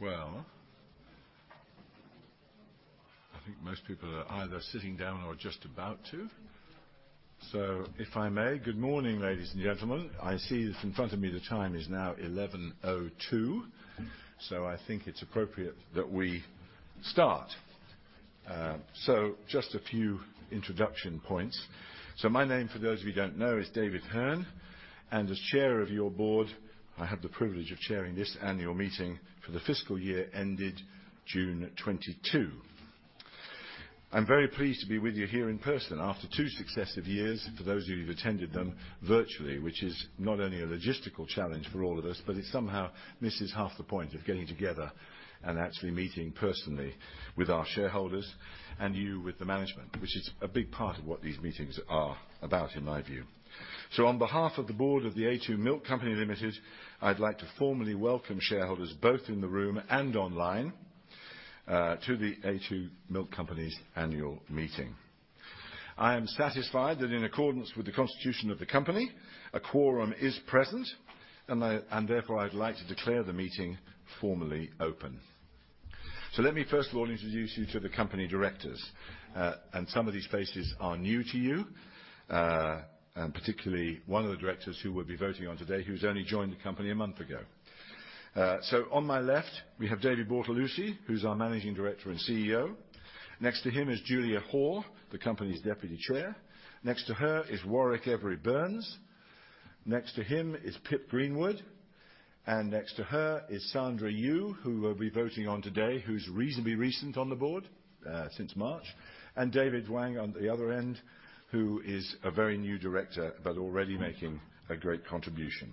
Well, I think most people are either sitting down or just about to. If I may, good morning, ladies and gentlemen. I see that in front of me the time is now 11:02 A.M., so I think it's appropriate that we start. Just a few introduction points. My name, for those of you who don't know, is David Hearn, and as Chair of your Board, I have the privilege of chairing this annual meeting for the fiscal year ended June 2022. I'm very pleased to be with you here in person after two successive years, for those of you who've attended them virtually, which is not only a logistical challenge for all of us, but it somehow misses half the point of getting together and actually meeting personally with our shareholders and you with the management, which is a big part of what these meetings are about, in my view. On behalf of the Board of The a2 Milk Company Limited, I'd like to formally welcome shareholders both in the room and online to The a2 Milk Company's annual meeting. I am satisfied that in accordance with the constitution of the company, a quorum is present, and therefore I'd like to declare the meeting formally open. Let me first of all introduce you to the company directors. Some of these faces are new to you, and particularly one of the directors who we'll be voting on today, who's only joined the company a month ago. On my left, we have David Bortolussi, who's our Managing Director and CEO. Next to him is Julia Hoare, the company's Deputy Chair. Next to her is Warwick Every-Burns. Next to him is Pip Greenwood, and next to her is Sandra Yu, who we'll be voting on today, who's reasonably recent on the Board, since March. David Wang on the other end, who is a very new director, but already making a great contribution.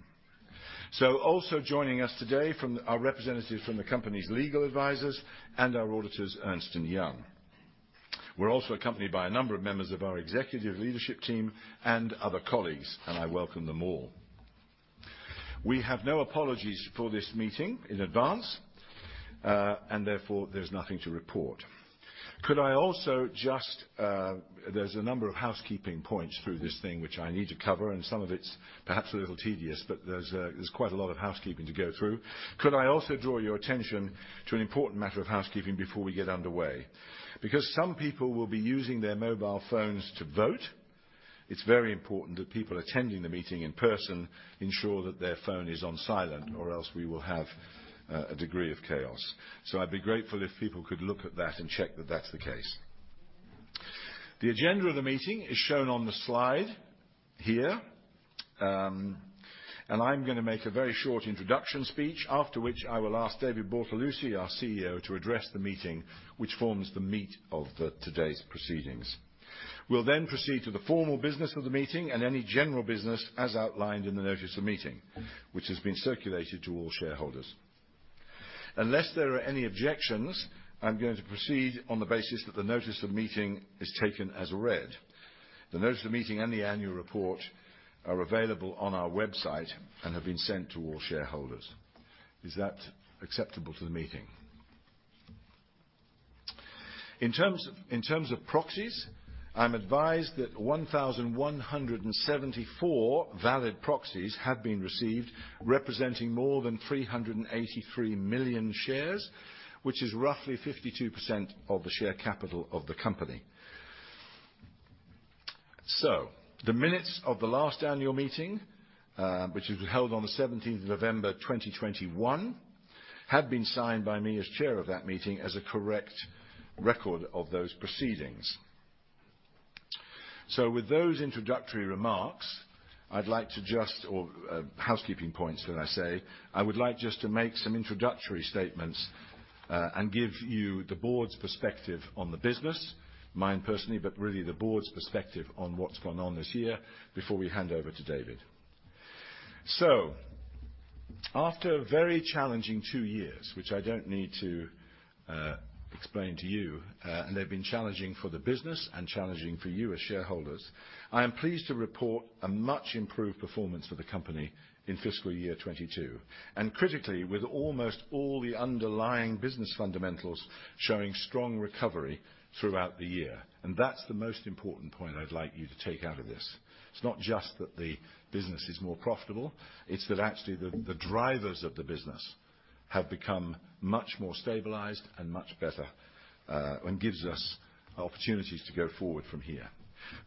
Also joining us today, our representatives from the company's legal advisors and our auditors, Ernst & Young. We're also accompanied by a number of members of our Executive Leadership Team and other colleagues, and I welcome them all. We have no apologies for this meeting in advance and therefore there's nothing to report. There's a number of housekeeping points through this thing which I need to cover, and some of it's perhaps a little tedious, but there's quite a lot of housekeeping to go through. Could I also draw your attention to an important matter of housekeeping before we get underway? Because some people will be using their mobile phones to vote, it's very important that people attending the meeting in person ensure that their phone is on silent or else we will have a degree of chaos. I'd be grateful if people could look at that and check that that's the case. The agenda of the meeting is shown on the slide here. I'm gonna make a very short introduction speech after which I will ask David Bortolussi, our CEO, to address the meeting, which forms the meat of the today's proceedings. We'll then proceed to the formal business of the meeting and any general business as outlined in the notice of meeting, which has been circulated to all shareholders. Unless there are any objections, I'm going to proceed on the basis that the notice of meeting is taken as read. The notice of meeting and the annual report are available on our website and have been sent to all shareholders. Is that acceptable to the meeting? In terms of proxies, I'm advised that 1,174 valid proxies have been received representing more than 383 million shares, which is roughly 52% of the share capital of the company. The minutes of the last annual meeting, which was held on the 17th of November, 2021, have been signed by me as Chair of that meeting as a correct record of those proceedings. With those introductory remarks, or housekeeping points should I say, I would like just to make some introductory statements and give you the Board's perspective on the business, mine personally, but really the Board's perspective on what's gone on this year before we hand over to David. After a very challenging two years, which I don't need to explain to you, and they've been challenging for the business and challenging for you as shareholders, I am pleased to report a much improved performance for the company in fiscal year 2022. Critically, with almost all the underlying business fundamentals showing strong recovery throughout the year. That's the most important point I'd like you to take out of this. It's not just that the business is more profitable, it's that actually the drivers of the business have become much more stabilized and much better, and gives us opportunities to go forward from here.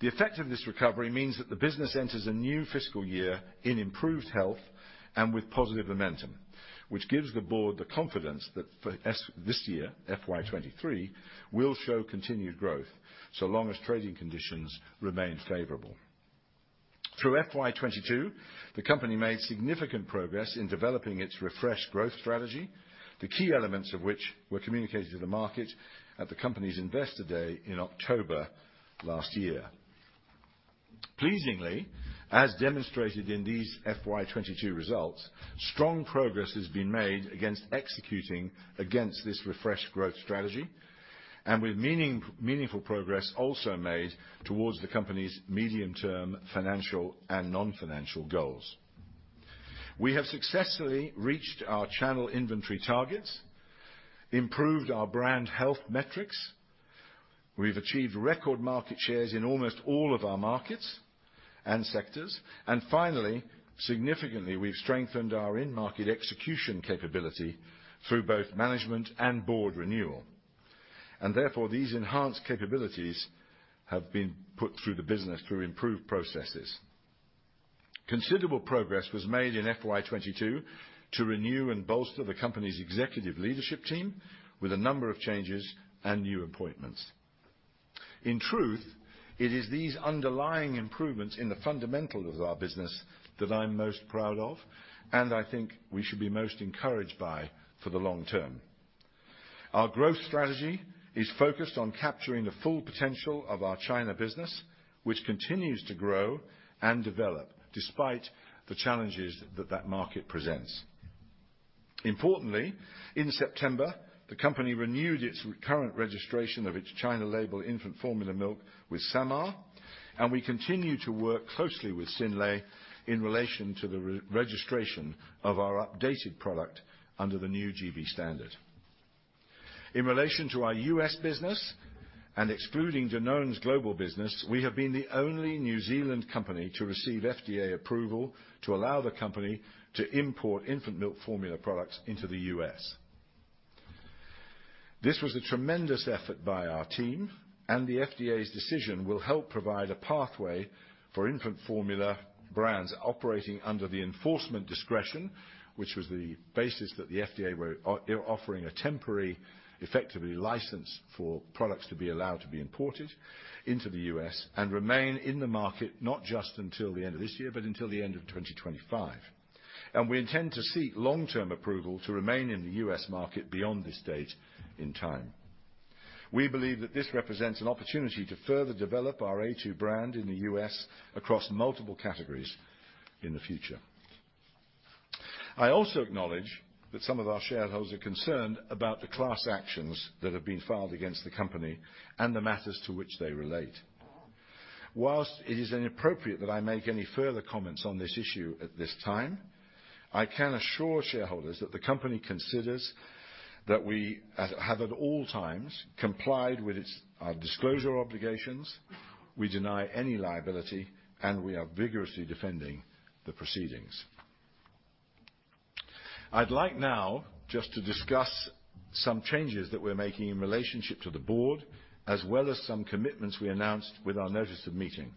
The effect of this recovery means that the business enters a new fiscal year in improved health and with positive momentum, which gives the Board the confidence that for this year, FY 2023, we'll show continued growth so long as trading conditions remain favorable. Through FY 2022, the company made significant progress in developing its refreshed growth strategy, the key elements of which were communicated to the market at the company's Investor Day in October last year. Pleasingly, as demonstrated in these FY 2022 results, strong progress has been made against executing against this refreshed growth strategy and with meaningful progress also made towards the company's medium-term financial and non-financial goals. We have successfully reached our channel inventory targets, improved our brand health metrics. We've achieved record market shares in almost all of our markets and sectors. Finally, significantly, we've strengthened our in-market execution capability through both management and board renewal. Therefore, these enhanced capabilities have been put through the business through improved processes. Considerable progress was made in FY 2022 to renew and bolster the company's executive leadership team with a number of changes and new appointments. In truth, it is these underlying improvements in the fundamentals of our business that I'm most proud of, and I think we should be most encouraged by for the long term. Our growth strategy is focused on capturing the full potential of our China business, which continues to grow and develop despite the challenges that that market presents. Importantly, in September, the company renewed its current registration of its China label infant formula milk with SAMR, and we continue to work closely with Synlait in relation to the re-registration of our updated product under the new GB standard. In relation to our U.S. business and excluding Danone's global business, we have been the only New Zealand company to receive FDA approval to allow the company to import infant milk formula products into the U.S. This was a tremendous effort by our team, and the FDA's decision will help provide a pathway for infant formula brands operating under the enforcement discretion, which was the basis that the FDA were offering a temporary, effectively license for products to be allowed to be imported into the U.S. and remain in the market not just until the end of this year, but until the end of 2025. We intend to seek long-term approval to remain in the U.S. market beyond this date in time. We believe that this represents an opportunity to further develop our a2 brand in the U.S. across multiple categories in the future. I also acknowledge that some of our shareholders are concerned about the class actions that have been filed against the company and the matters to which they relate. Whilst it is inappropriate that I make any further comments on this issue at this time, I can assure shareholders that the company considers that we have at all times complied with our disclosure obligations, we deny any liability, and we are vigorously defending the proceedings. I'd like now just to discuss some changes that we're making in relationship to the Board, as well as some commitments we announced with our notice of meeting.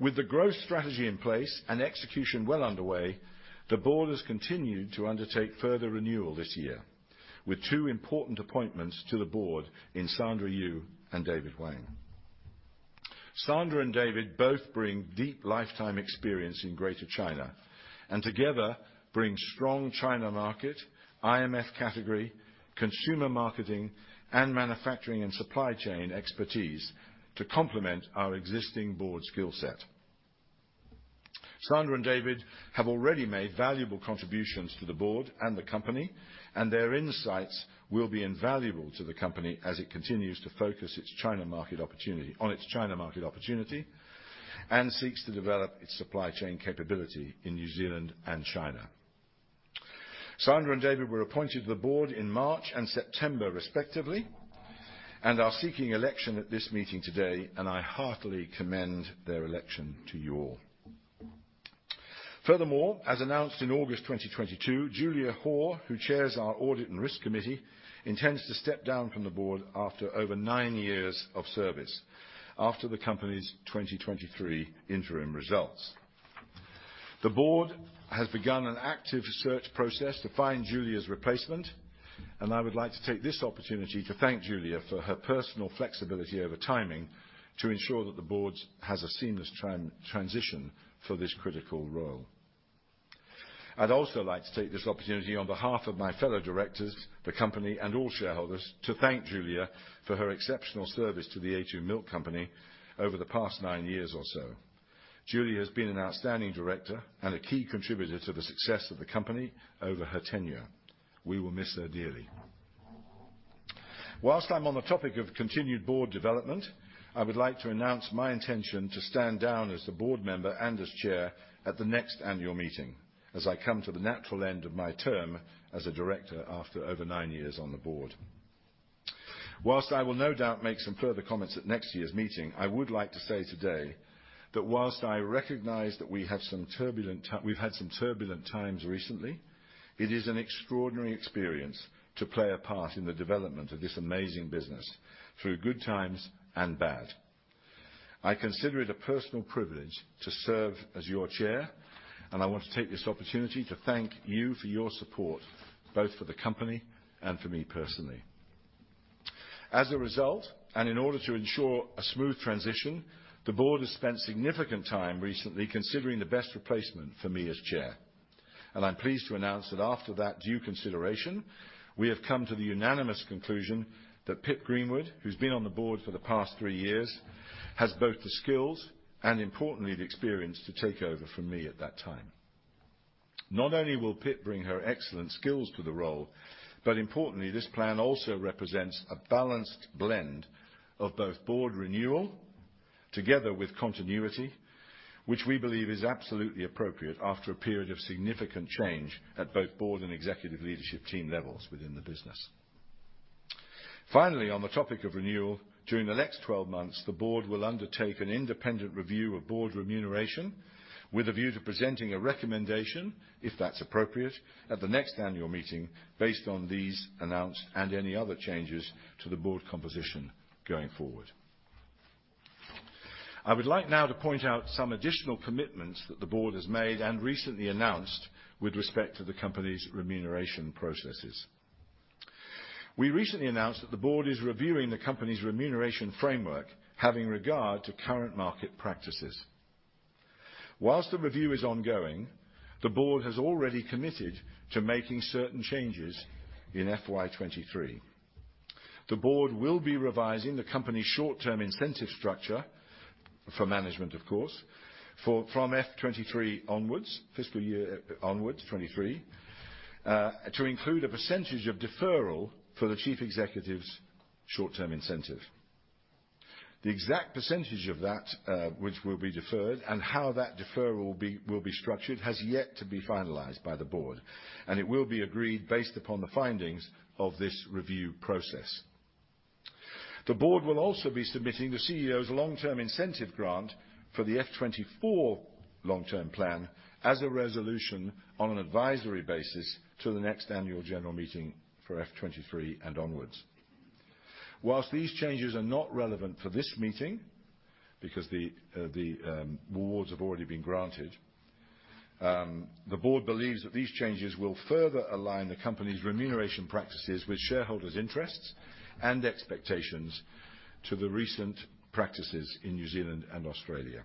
With the growth strategy in place and execution well underway, the Board has continued to undertake further renewal this year with two important appointments to the Board in Sandra Yu and David Wang. Sandra and David both bring deep lifetime experience in Greater China, and together bring strong China market, IMF category, consumer marketing, and manufacturing and supply chain expertise to complement our existing Board skill set. Sandra and David have already made valuable contributions to the Board and the company, and their insights will be invaluable to the company as it continues to focus on its China market opportunity and seeks to develop its supply chain capability in New Zealand and China. Sandra and David were appointed to the Board in March and September, respectively, and are seeking election at this meeting today, and I heartily commend their election to you all. Furthermore, as announced in August 2022, Julia Hoare, who chairs our Audit and Risk Committee, intends to step down from the Board after over nine years of service, after the company's 2023 interim results. The Board has begun an active search process to find Julia's replacement, and I would like to take this opportunity to thank Julia for her personal flexibility over timing to ensure that the Board has a seamless transition for this critical role. I'd also like to take this opportunity on behalf of my fellow Directors, the Company, and all shareholders to thank Julia for her exceptional service to The a2 Milk Company over the past nine years or so. Julia has been an outstanding Director and a key contributor to the success of the Company over her tenure. We will miss her dearly. Whilst I'm on the topic of continued Board development, I would like to announce my intention to stand down as a Board member and as Chair at the next Annual Meeting as I come to the natural end of my term as a director after over nine years on the Board. Whilst I will no doubt make some further comments at next year's meeting, I would like to say today that whilst I recognize that we've had some turbulent times recently, it is an extraordinary experience to play a part in the development of this amazing business through good times and bad. I consider it a personal privilege to serve as your Chair, and I want to take this opportunity to thank you for your support, both for the Company and for me personally. As a result, and in order to ensure a smooth transition, the Board has spent significant time recently considering the best replacement for me as Chair. I'm pleased to announce that after that due consideration, we have come to the unanimous conclusion that Pip Greenwood, who's been on the Board for the past three years, has both the skills and importantly, the experience to take over from me at that time. Not only will Pip bring her excellent skills to the role, but importantly, this plan also represents a balanced blend of both Board renewal together with continuity, which we believe is absolutely appropriate after a period of significant change at both Board and Executive Leadership Team levels within the business. Finally, on the topic of renewal, during the next 12 months, the Board will undertake an independent review of Board remuneration with a view to presenting a recommendation, if that's appropriate, at the next annual meeting based on these announced and any other changes to the Board composition going forward. I would like now to point out some additional commitments that the Board has made and recently announced with respect to the company's remuneration processes. We recently announced that the Board is reviewing the company's remuneration framework, having regard to current market practices. Whilst the review is ongoing, the Board has already committed to making certain changes in FY 2023. The Board will be revising the company's short-term incentive structure for management, of course, from F 2023 onwards, fiscal year onwards, 2023, to include a percentage of deferral for the Chief Executive's short-term incentive. The exact percentage of that which will be deferred and how that deferral will be structured has yet to be finalized by the Board, and it will be agreed based upon the findings of this review process. The Board will also be submitting the CEO's long-term incentive grant for the F 2024 long-term plan as a resolution on an advisory basis to the next Annual General Meeting for F 2023 and onwards. Whilst these changes are not relevant for this meeting because the awards have already been granted, the Board believes that these changes will further align the Company's remuneration practices with shareholders' interests and expectations to the recent practices in New Zealand and Australia.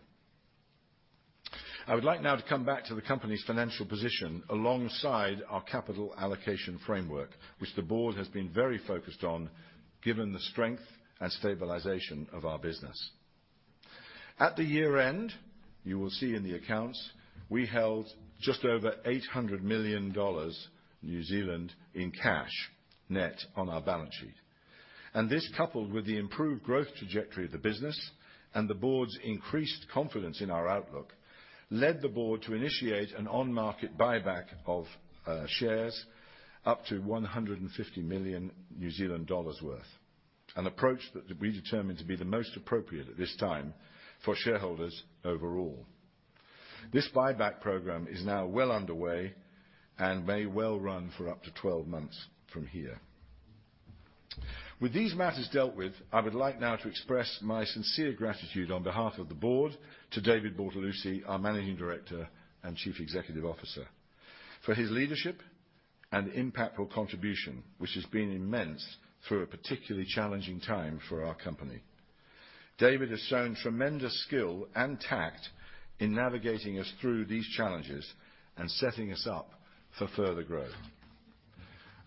I would like now to come back to the company's financial position alongside our capital allocation framework, which the Board has been very focused on given the strength and stabilization of our business. At the year-end, you will see in the accounts, we held just over 800 million New Zealand dollars in cash net on our balance sheet. This, coupled with the improved growth trajectory of the business and the Board's increased confidence in our outlook, led the Board to initiate an on-market buyback of shares up to 150 million New Zealand dollars worth, an approach that we determined to be the most appropriate at this time for shareholders overall. This buyback program is now well underway and may well run for up to 12 months from here. With these matters dealt with, I would like now to express my sincere gratitude on behalf of the Board to David Bortolussi, our Managing Director and Chief Executive Officer, for his leadership and impactful contribution, which has been immense through a particularly challenging time for our company. David has shown tremendous skill and tact in navigating us through these challenges and setting us up for further growth.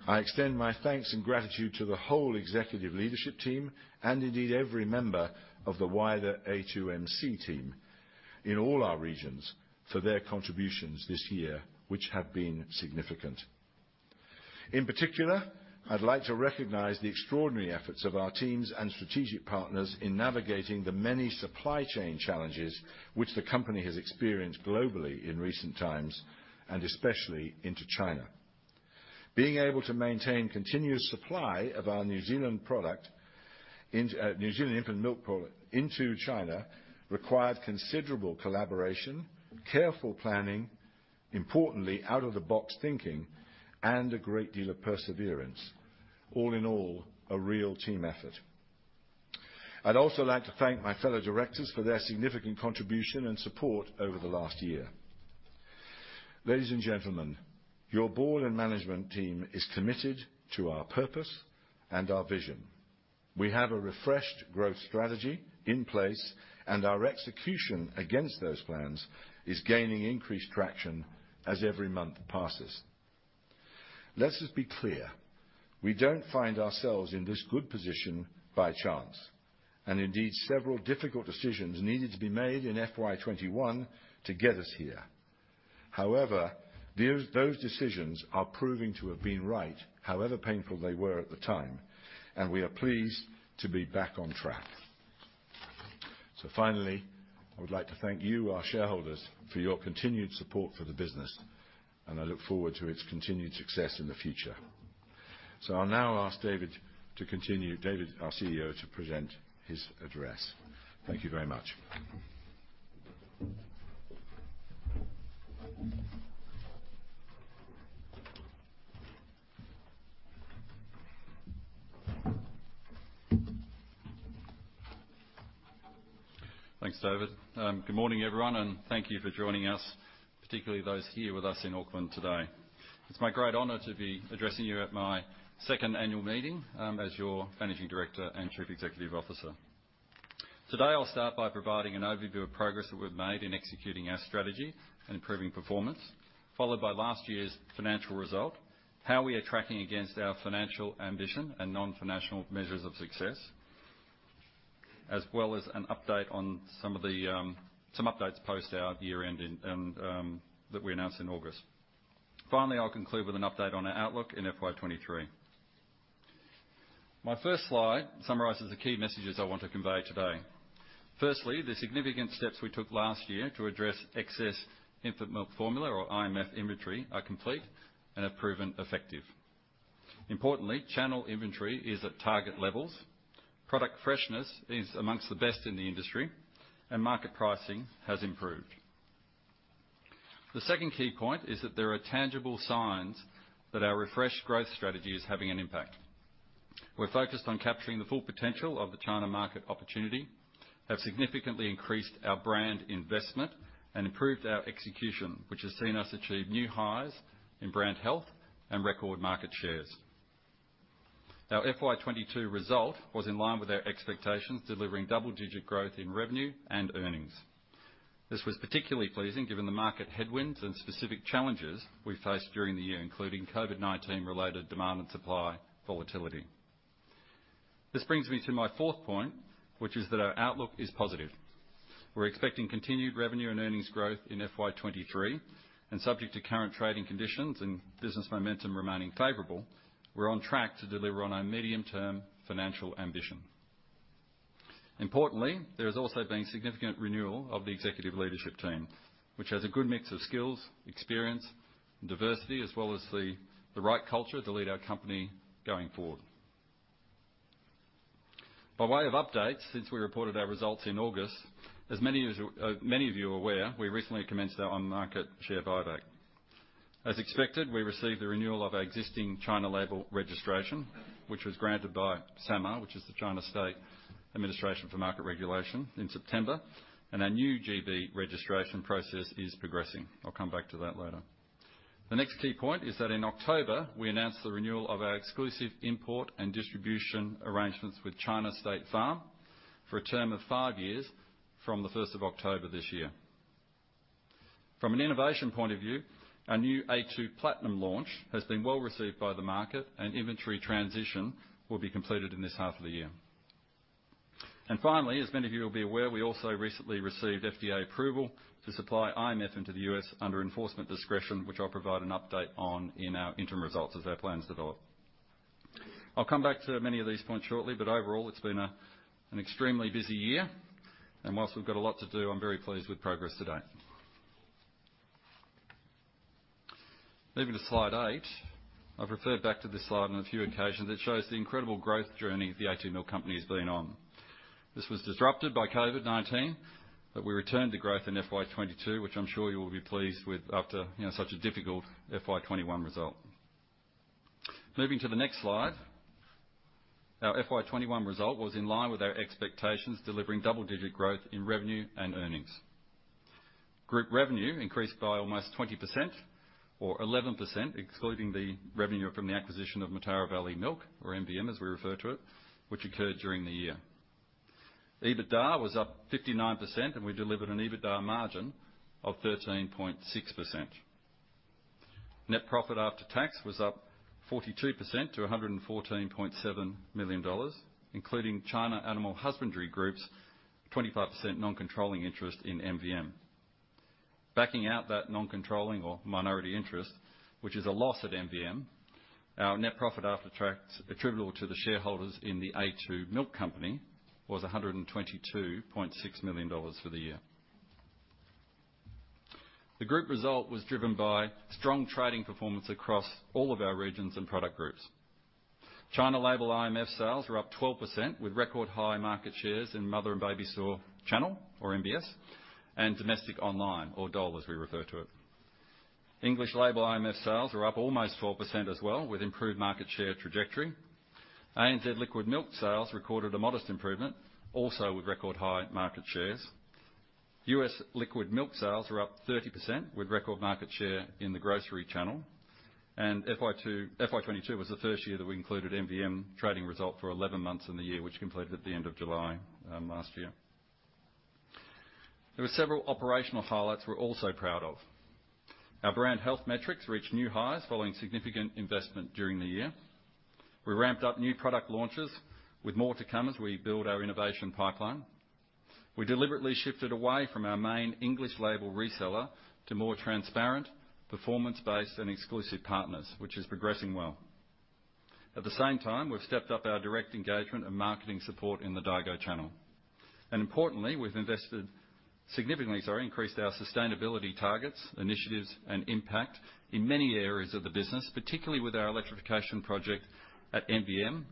I extend my thanks and gratitude to the whole executive leadership team and indeed every member of the wider a2MC team in all our regions for their contributions this year, which have been significant. In particular, I'd like to recognize the extraordinary efforts of our teams and strategic partners in navigating the many supply chain challenges which the company has experienced globally in recent times, and especially into China. Being able to maintain continuous supply of our New Zealand infant milk product into China required considerable collaboration, careful planning, importantly, out-of-the-box thinking, and a great deal of perseverance. All in all, a real team effort. I'd also like to thank my fellow directors for their significant contribution and support over the last year. Ladies and gentlemen, your board and management team is committed to our purpose and our vision. We have a refreshed growth strategy in place, and our execution against those plans is gaining increased traction as every month passes. Let's just be clear, we don't find ourselves in this good position by chance, and indeed several difficult decisions needed to be made in FY 2021 to get us here. However, those decisions are proving to have been right, however painful they were at the time, and we are pleased to be back on track. Finally, I would like to thank you, our shareholders, for your continued support for the business, and I look forward to its continued success in the future. I'll now ask David, our CEO, to present his address. Thank you very much. Thanks, David. Good morning, everyone, and thank you for joining us, particularly those here with us in Auckland today. It's my great honor to be addressing you at my second annual meeting as your Managing Director and Chief Executive Officer. Today, I'll start by providing an overview of progress that we've made in executing our strategy and improving performance, followed by last year's financial result, how we are tracking against our financial ambition and non-financial measures of success, as well as an update on some updates post our year-end and that we announced in August. Finally, I'll conclude with an update on our outlook in FY 2023. My first slide summarizes the key messages I want to convey today. Firstly, the significant steps we took last year to address excess infant milk formula or IMF inventory are complete and have proven effective. Importantly, channel inventory is at target levels, product freshness is amongst the best in the industry, and market pricing has improved. The second key point is that there are tangible signs that our refreshed growth strategy is having an impact. We're focused on capturing the full potential of the China market opportunity, have significantly increased our brand investment and improved our execution, which has seen us achieve new highs in brand health and record market shares. Our FY 2022 result was in line with our expectations, delivering double-digit growth in revenue and earnings. This was particularly pleasing given the market headwinds and specific challenges we faced during the year, including COVID-19-related demand and supply volatility. This brings me to my fourth point, which is that our outlook is positive. We're expecting continued revenue and earnings growth in FY 2023, and subject to current trading conditions and business momentum remaining favorable, we're on track to deliver on our medium-term financial ambition. Importantly, there has also been significant renewal of the executive leadership team, which has a good mix of skills, experience, and diversity, as well as the right culture to lead our company going forward. By way of updates since we reported our results in August, many of you are aware, we recently commenced our on-market share buyback. As expected, we received the renewal of our existing China label registration, which was granted by SAMR, which is the China State Administration for Market Regulation, in September, and our new GB registration process is progressing. I'll come back to that later. The next key point is that in October, we announced the renewal of our exclusive import and distribution arrangements with China State Farm for a term of five years from the first of October this year. From an innovation point of view, our new a2 Platinum launch has been well-received by the market and inventory transition will be completed in this half of the year. Finally, as many of you will be aware, we also recently received FDA approval to supply IMF into the U.S. under enforcement discretion, which I'll provide an update on in our interim results as our plans develop. I'll come back to many of these points shortly, but overall, it's been an extremely busy year, and whilst we've got a lot to do, I'm very pleased with progress today. Moving to slide eight. I've referred back to this slide on a few occasions. It shows the incredible growth journey The a2 Milk Company has been on. This was disrupted by COVID-19, but we returned to growth in FY 2022, which I'm sure you will be pleased with after, you know, such a difficult FY 2021 result. Moving to the next slide. Our FY 2021 result was in line with our expectations, delivering double-digit growth in revenue and earnings. Group revenue increased by almost 20% or 11%, excluding the revenue from the acquisition of Mataura Valley Milk, or MVM as we refer to it, which occurred during the year. EBITDA was up 59%, and we delivered an EBITDA margin of 13.6%. Net profit after tax was up 42% to 114.7 million dollars, including China Animal Husbandry Group's 25% non-controlling interest in MVM. Backing out that non-controlling or minority interest, which is a loss at MVM, our net profit after tax attributable to the shareholders in The a2 Milk Company was 122.6 million dollars for the year. The group result was driven by strong trading performance across all of our regions and product groups. China label IMF sales were up 12% with record high market shares in mother and baby store channel, or MBS, and domestic online or DOL, as we refer to it. English label IMF sales were up almost 4% as well, with improved market share trajectory. ANZ liquid milk sales recorded a modest improvement, also with record high market shares. U.S. liquid milk sales were up 30% with record market share in the grocery channel. FY 2022 was the first year that we included MVM trading result for 11 months in the year, which completed at the end of July last year. There were several operational highlights we're also proud of. Our brand health metrics reached new highs following significant investment during the year. We ramped up new product launches with more to come as we build our innovation pipeline. We deliberately shifted away from our main English label reseller to more transparent, performance-based and exclusive partners, which is progressing well. At the same time, we've stepped up our direct engagement and marketing support in the Daigou channel. Importantly, we've invested. Significantly, sorry, increased our sustainability targets, initiatives, and impact in many areas of the business, particularly with our electrification project at MVM,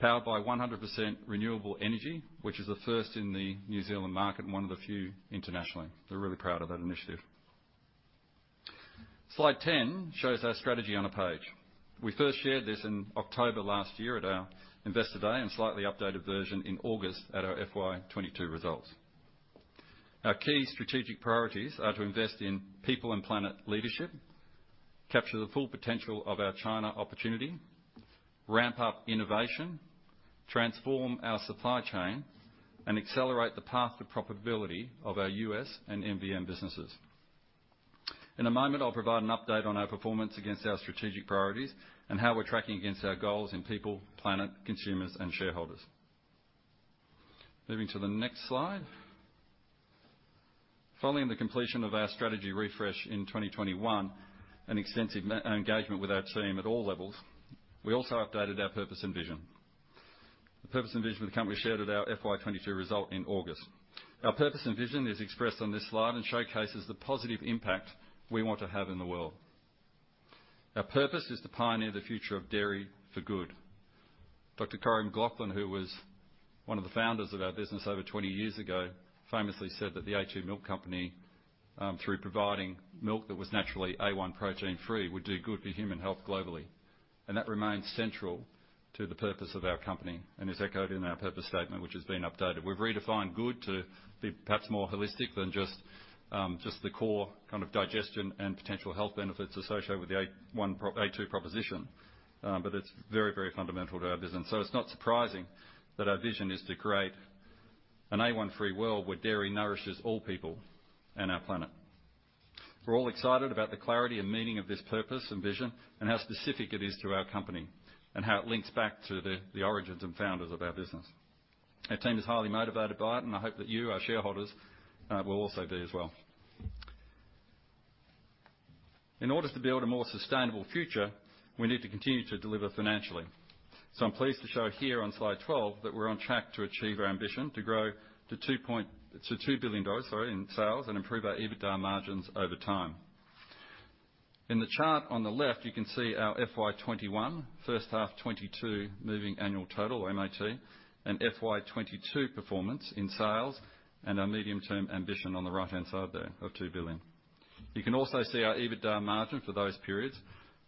powered by 100% renewable energy, which is a first in the New Zealand market and one of the few internationally. We're really proud of that initiative. Slide 10 shows our strategy on a page. We first shared this in October last year at our Investor Day and a slightly updated version in August at our FY 2022 results. Our key strategic priorities are to invest in people and planet leadership, capture the full potential of our China opportunity, ramp up innovation, transform our supply chain, and accelerate the path to profitability of our U.S. and MVM businesses. In a moment, I'll provide an update on our performance against our strategic priorities and how we're tracking against our goals in people, planet, consumers, and shareholders. Moving to the next slide. Following the completion of our strategy refresh in 2021 and extensive engagement with our team at all levels, we also updated our purpose and vision. The purpose and vision of the company shared at our FY 2022 result in August. Our purpose and vision is expressed on this slide and showcases the positive impact we want to have in the world. Our purpose is to pioneer the future of dairy for good. Dr. Corran McLachlan, who was one of the founders of our business over 20 years ago, famously said that The a2 Milk Company, through providing milk that was naturally A1 protein free, would do good for human health globally, and that remains central to the purpose of our company and is echoed in our purpose statement, which has been updated. We've redefined good to be perhaps more holistic than just the core kind of digestion and potential health benefits associated with the a2 proposition. It's very fundamental to our business. It's not surprising that our vision is to create an A1-free world where dairy nourishes all people and our planet. We're all excited about the clarity and meaning of this purpose and vision, and how specific it is to our company, and how it links back to the origins and founders of our business. Our team is highly motivated by it, and I hope that you, our shareholders, will also be as well. In order to build a more sustainable future, we need to continue to deliver financially. So I'm pleased to show here on slide 12 that we're on track to achieve our ambition to grow to two point, to 2 billion dollars, sorry, in sales and improve our EBITDA margins over time. In the chart on the left, you can see our FY 2021, first half 2022 moving annual total, or MAT, and FY 2022 performance in sales, and our medium-term ambition on the right-hand side there of 2 billion. You can also see our EBITDA margin for those periods,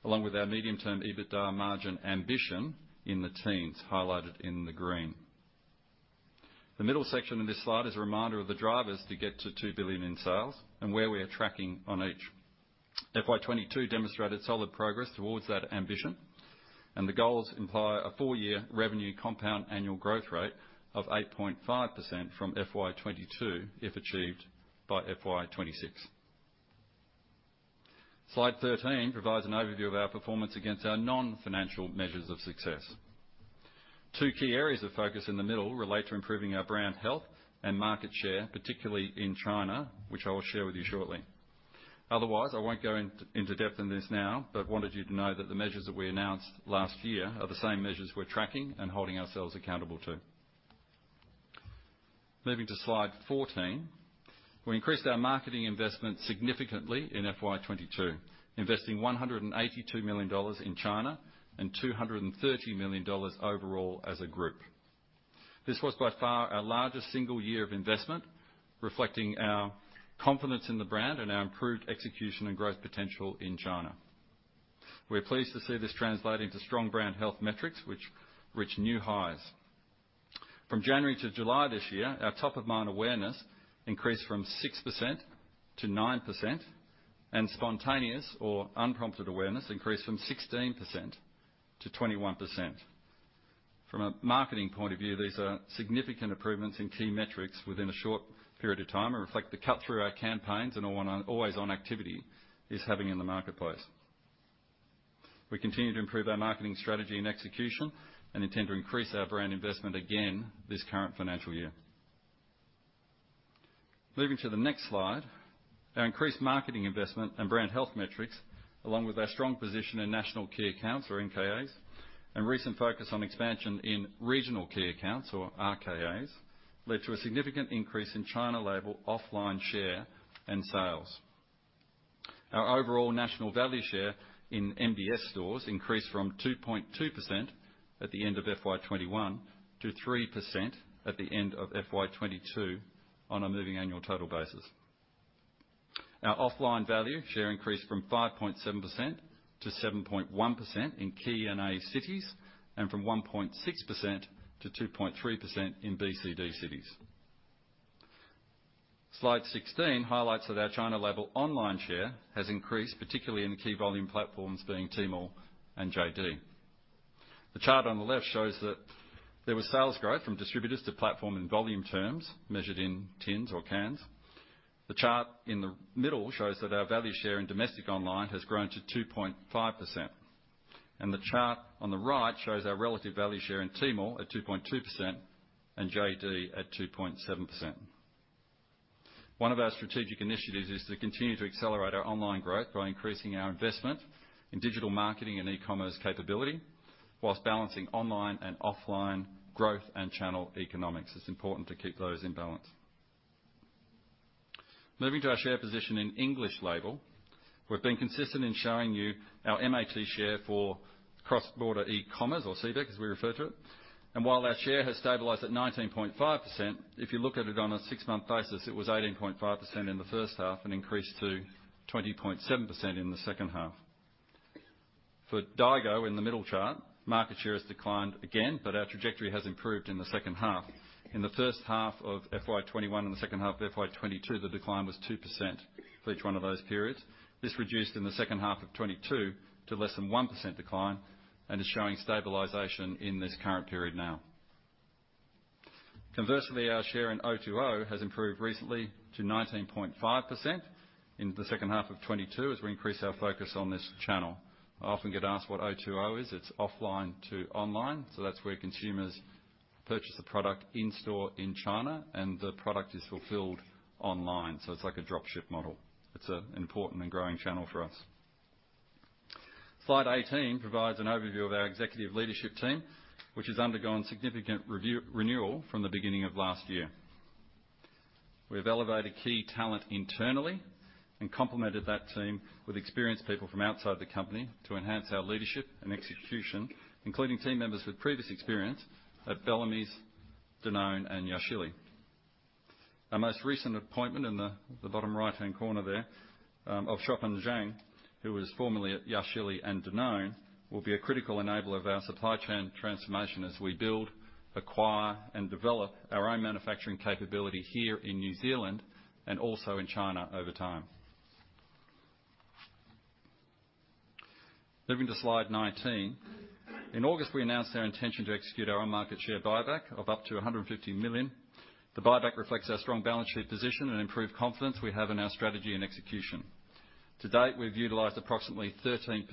along with our medium-term EBITDA margin ambition in the teens, highlighted in the green. The middle section of this slide is a reminder of the drivers to get to two billion in sales and where we are tracking on each. FY 2022 demonstrated solid progress towards that ambition, and the goals imply a four-year revenue compound annual growth rate of 8.5% from FY 2022 if achieved by FY 2026. Slide 13 provides an overview of our performance against our non-financial measures of success. Two key areas of focus in the middle relate to improving our brand health and market share, particularly in China, which I will share with you shortly. Otherwise, I won't go into depth on this now, but wanted you to know that the measures that we announced last year are the same measures we're tracking and holding ourselves accountable to. Moving to slide 14. We increased our marketing investment significantly in FY 2022, investing 182 million in China and 230 million overall as a group. This was by far our largest single year of investment, reflecting our confidence in the brand and our improved execution and growth potential in China. We're pleased to see this translating to strong brand health metrics which reach new highs. From January to July this year, our top-of-mind awareness increased from 6% to 9%, and spontaneous or unprompted awareness increased from 16% to 21%. From a marketing point of view, these are significant improvements in key metrics within a short period of time and reflect the cut-through our campaigns and always-on activity is having in the marketplace. We continue to improve our marketing strategy and execution and intend to increase our brand investment again this current financial year. Moving to the next slide. Our increased marketing investment and brand health metrics, along with our strong position in national key accounts, or NKAs, and recent focus on expansion in regional key accounts, or RKAs, led to a significant increase in China label offline share and sales. Our overall national value share in MBS stores increased from 2.2% at the end of FY 2021 to 3% at the end of FY 2022 on a moving annual total basis. Our offline value share increased from 5.7% to 7.1% in key NKA cities and from 1.6% to 2.3% in BCD cities. Slide 16 highlights that our China label online share has increased, particularly in the key volume platforms being Tmall and JD. The chart on the left shows that there was sales growth from distributors to platform in volume terms, measured in tins or cans. The chart in the middle shows that our value share in domestic online has grown to 2.5%. The chart on the right shows our relative value share in Tmall at 2.2% and JD at 2.7%. One of our strategic initiatives is to continue to accelerate our online growth by increasing our investment in digital marketing and e-commerce capability whilst balancing online and offline growth and channel economics. It's important to keep those in balance. Moving to our share position in English label. We've been consistent in showing you our MAT share for cross-border e-commerce, or CBEC as we refer to it. While our share has stabilized at 19.5%, if you look at it on a six-month basis, it was 18.5% in the first half and increased to 20.7% in the second half. For Daigou in the middle chart, market share has declined again, but our trajectory has improved in the second half. In the first half of FY 2021 and the second half of FY 2022, the decline was 2% for each one of those periods. This reduced in the second half of 2022 to less than 1% decline and is showing stabilization in this current period now. Conversely, our share in O2O has improved recently to 19.5% in the second half of 2022 as we increase our focus on this channel. I often get asked what O2O is. It's offline to online, that's where consumers purchase a product in-store in China and the product is fulfilled online. It's like a drop ship model. It's an important and growing channel for us. Slide 18 provides an overview of our executive leadership team, which has undergone significant review, renewal from the beginning of last year. We have elevated key talent internally and complemented that team with experienced people from outside the company to enhance our leadership and execution, including team members with previous experience at Bellamy's, Danone, and Yashili. Our most recent appointment in the bottom right-hand corner there of Chopin Zhang, who was formerly at Yashili and Danone, will be a critical enabler of our supply chain transformation as we build, acquire, and develop our own manufacturing capability here in New Zealand and also in China over time. Moving to slide 19. In August, we announced our intention to execute our own on-market share buyback of up to 150 million. The buyback reflects our strong balance sheet position and improved confidence we have in our strategy and execution. To date, we've utilized approximately 13%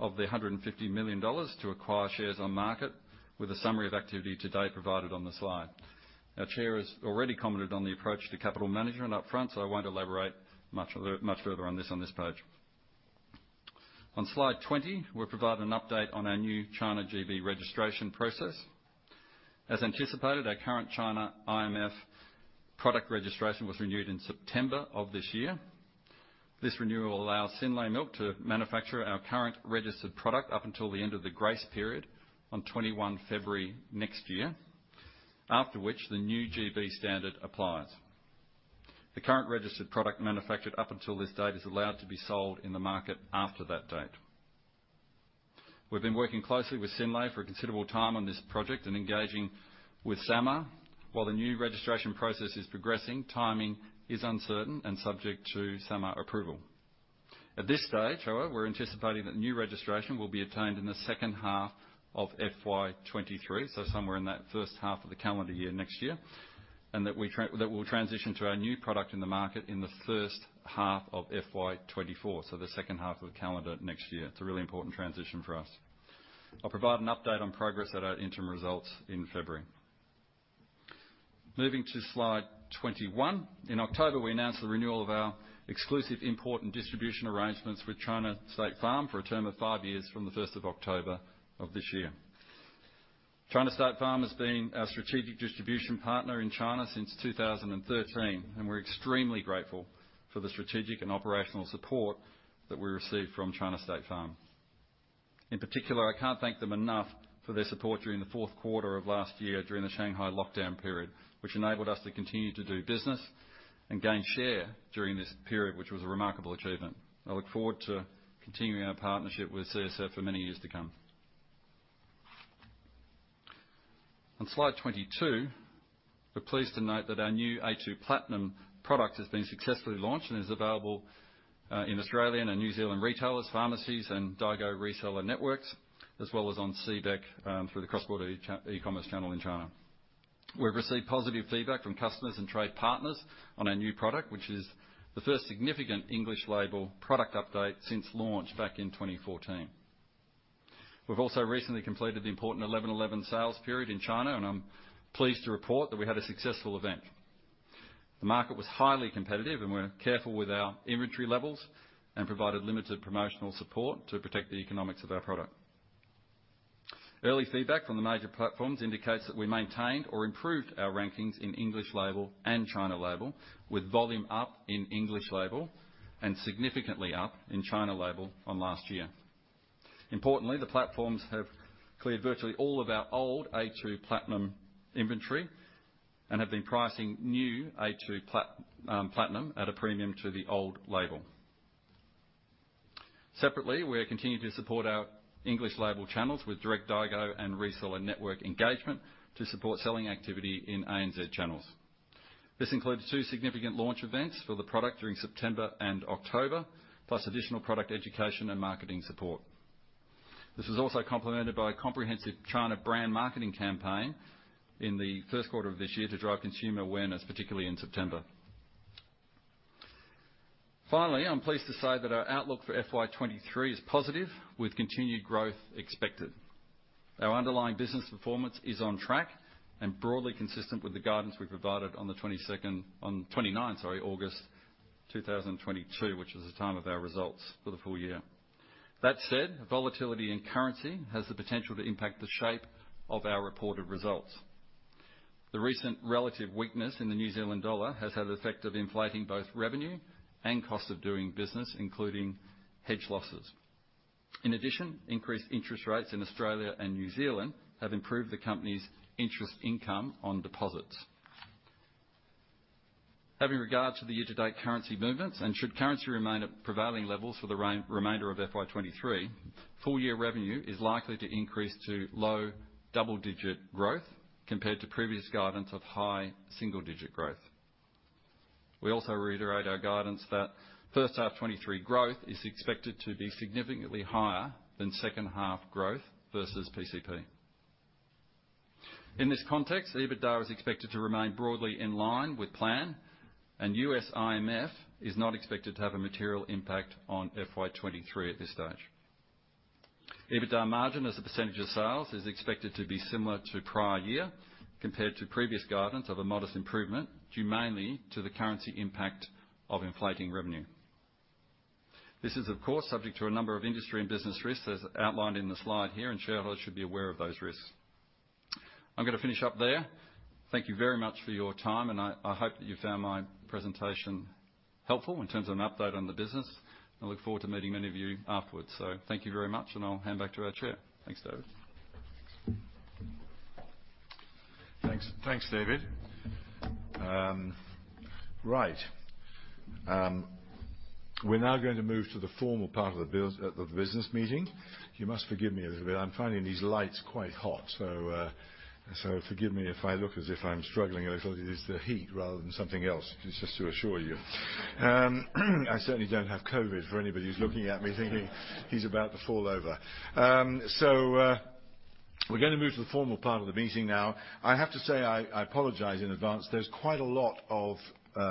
of the 150 million dollars to acquire shares on market with a summary of activity to date provided on the slide. Our Chair has already commented on the approach to capital management upfront, so I won't elaborate much further on this page. On slide 20, we provide an update on our new China GB registration process. As anticipated, our current China IMF product registration was renewed in September of this year. This renewal allows Synlait Milk to manufacture our current registered product up until the end of the grace period on 21 February next year, after which the new GB standard applies. The current registered product manufactured up until this date is allowed to be sold in the market after that date. We've been working closely with Synlait for a considerable time on this project and engaging with SAMR while the new registration process is progressing. Timing is uncertain and subject to SAMR approval. At this stage, however, we're anticipating that new registration will be obtained in the second half of FY 2023, so somewhere in that first half of the calendar year next year, and that we'll transition to our new product in the market in the first half of FY 2024, so the second half of calendar next year. It's a really important transition for us. I'll provide an update on progress at our interim results in February. Moving to slide 21. In October, we announced the renewal of our exclusive import and distribution arrangements with China State Farm for a term of five years from the first of October of this year. China State Farm has been our strategic distribution partner in China since 2013, and we're extremely grateful for the strategic and operational support that we receive from China State Farm. In particular, I can't thank them enough for their support during the fourth quarter of last year during the Shanghai lockdown period, which enabled us to continue to do business and gain share during this period, which was a remarkable achievement. I look forward to continuing our partnership with CSF for many years to come. On slide 22, we're pleased to note that our new a2 Platinum product has been successfully launched and is available in Australian and New Zealand retailers, pharmacies, and Daigou reseller networks, as well as on CBEC through the cross-border e-commerce channel in China. We've received positive feedback from customers and trade partners on our new product, which is the first significant English label product update since launch back in 2014. We've also recently completed the important 11:11 sales period in China, and I'm pleased to report that we had a successful event. The market was highly competitive, and we're careful with our inventory levels and provided limited promotional support to protect the economics of our product. Early feedback from the major platforms indicates that we maintained or improved our rankings in English label and China label, with volume up in English label and significantly up in China label on last year. Importantly, the platforms have cleared virtually all of our old a2 Platinum inventory and have been pricing new a2 Platinum at a premium to the old label. Separately, we are continuing to support our English label channels with direct Daigou and reseller network engagement to support selling activity in ANZ channels. This includes two significant launch events for the product during September and October, plus additional product education and marketing support. This is also complemented by a comprehensive China brand marketing campaign in the first quarter of this year to drive consumer awareness, particularly in September. Finally, I'm pleased to say that our outlook for FY 2023 is positive, with continued growth expected. Our underlying business performance is on track and broadly consistent with the guidance we provided on August 29, 2022, which was the time of our results for the full year. That said, volatility in currency has the potential to impact the shape of our reported results. The recent relative weakness in the New Zealand dollar has had the effect of inflating both revenue and cost of doing business, including hedge losses. In addition, increased interest rates in Australia and New Zealand have improved the company's interest income on deposits. Having regard to the year-to-date currency movements, and should currency remain at prevailing levels for the remainder of FY 2023, full year revenue is likely to increase to low double-digit growth compared to previous guidance of high single-digit growth. We also reiterate our guidance that first half 2023 growth is expected to be significantly higher than second half growth versus PCP. In this context, EBITDA is expected to remain broadly in line with plan and U.S. IMF is not expected to have a material impact on FY 2023 at this stage. EBITDA margin as a percent of sales is expected to be similar to prior year compared to previous guidance of a modest improvement due mainly to the currency impact of inflating revenue. This is, of course, subject to a number of industry and business risks as outlined in the slide here, and shareholders should be aware of those risks. I'm gonna finish up there. Thank you very much for your time, and I hope that you found my presentation helpful in terms of an update on the business. I look forward to meeting many of you afterwards. Thank you very much, and I'll hand back to our Chair. Thanks, David. Thanks, David. Right. We're now going to move to the formal part of the business meeting. You must forgive me a little bit. I'm finding these lights quite hot. Forgive me if I look as if I'm struggling a little. It is the heat rather than something else, just to assure you. I certainly don't have COVID for anybody who's looking at me thinking he's about to fall over. We're gonna move to the formal part of the meeting now. I have to say I apologize in advance. There's quite a lot of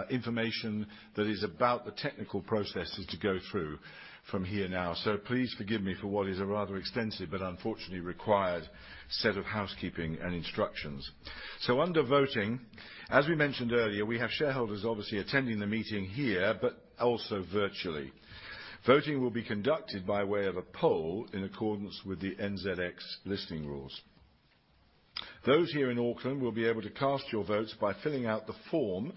information that is about the technical processes to go through from here now. Please forgive me for what is a rather extensive but unfortunately required set of housekeeping and instructions. Under voting, as we mentioned earlier, we have shareholders obviously attending the meeting here but also virtually. Voting will be conducted by way of a poll in accordance with the NZX Listing Rules. Those here in Auckland will be able to cast your votes by filling out the form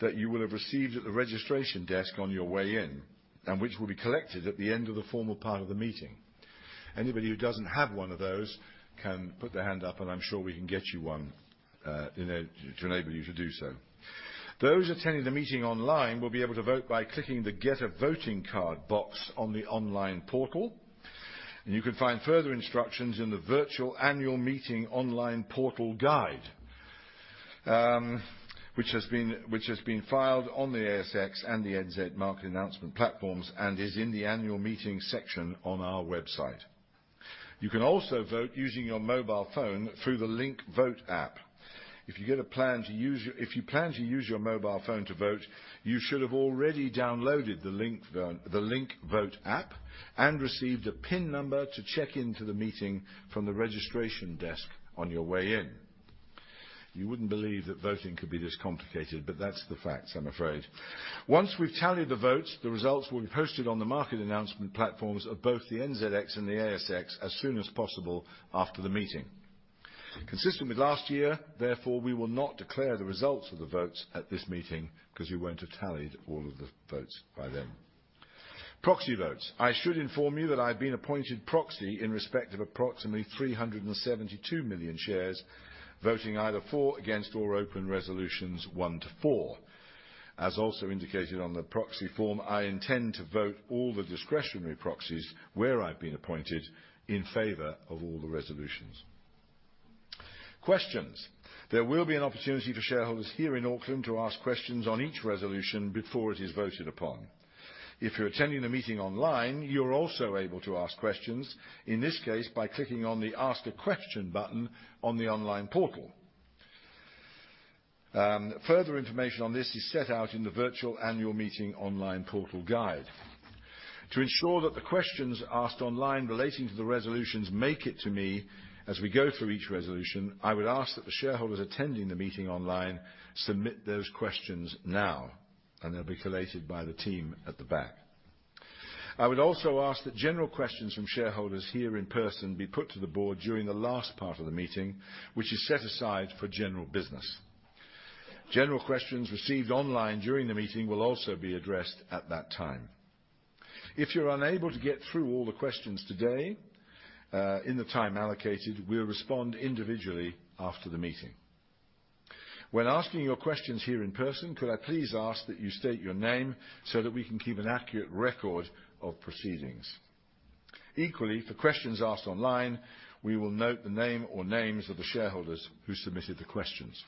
that you will have received at the registration desk on your way in, and which will be collected at the end of the formal part of the meeting. Anybody who doesn't have one of those can put their hand up, and I'm sure we can get you one, you know, to enable you to do so. Those attending the meeting online will be able to vote by clicking the Get a Voting Card box on the online portal. You can find further instructions in the Virtual Annual Meeting Online Portal Guide which has been filed on the ASX and the N.Z. market announcement platforms and is in the annual meeting section on our website. You can also vote using your mobile phone through the Link Vote app. If you plan to use your mobile phone to vote, you should have already downloaded the Link Vote app and received a PIN number to check into the meeting from the registration desk on your way in. You wouldn't believe that voting could be this complicated, but that's the facts I'm afraid. Once we've tallied the votes, the results will be posted on the market announcement platforms of both the NZX and the ASX as soon as possible after the meeting. Consistent with last year, therefore, we will not declare the results of the votes at this meeting because we won't have tallied all of the votes by then. Proxy votes. I should inform you that I've been appointed proxy in respect of approximately 372 million shares voting either for, against, or open resolutions 1-4. As also indicated on the proxy form, I intend to vote all the discretionary proxies where I've been appointed in favor of all the resolutions. Questions. There will be an opportunity for shareholders here in Auckland to ask questions on each resolution before it is voted upon. If you're attending the meeting online, you're also able to ask questions, in this case by clicking on the Ask a Question button on the online portal. Further information on this is set out in the Virtual Annual Meeting Online Portal Guide. To ensure that the questions asked online relating to the resolutions make it to me as we go through each resolution, I would ask that the shareholders attending the meeting online submit those questions now, and they'll be collated by the team at the back. I would also ask that general questions from shareholders here in person be put to the Board during the last part of the meeting, which is set aside for general business. General questions received online during the meeting will also be addressed at that time. If you're unable to get through all the questions today in the time allocated, we'll respond individually after the meeting. When asking your questions here in person, could I please ask that you state your name so that we can keep an accurate record of proceedings. Equally, for questions asked online, we will note the name or names of the shareholders who submitted the questions.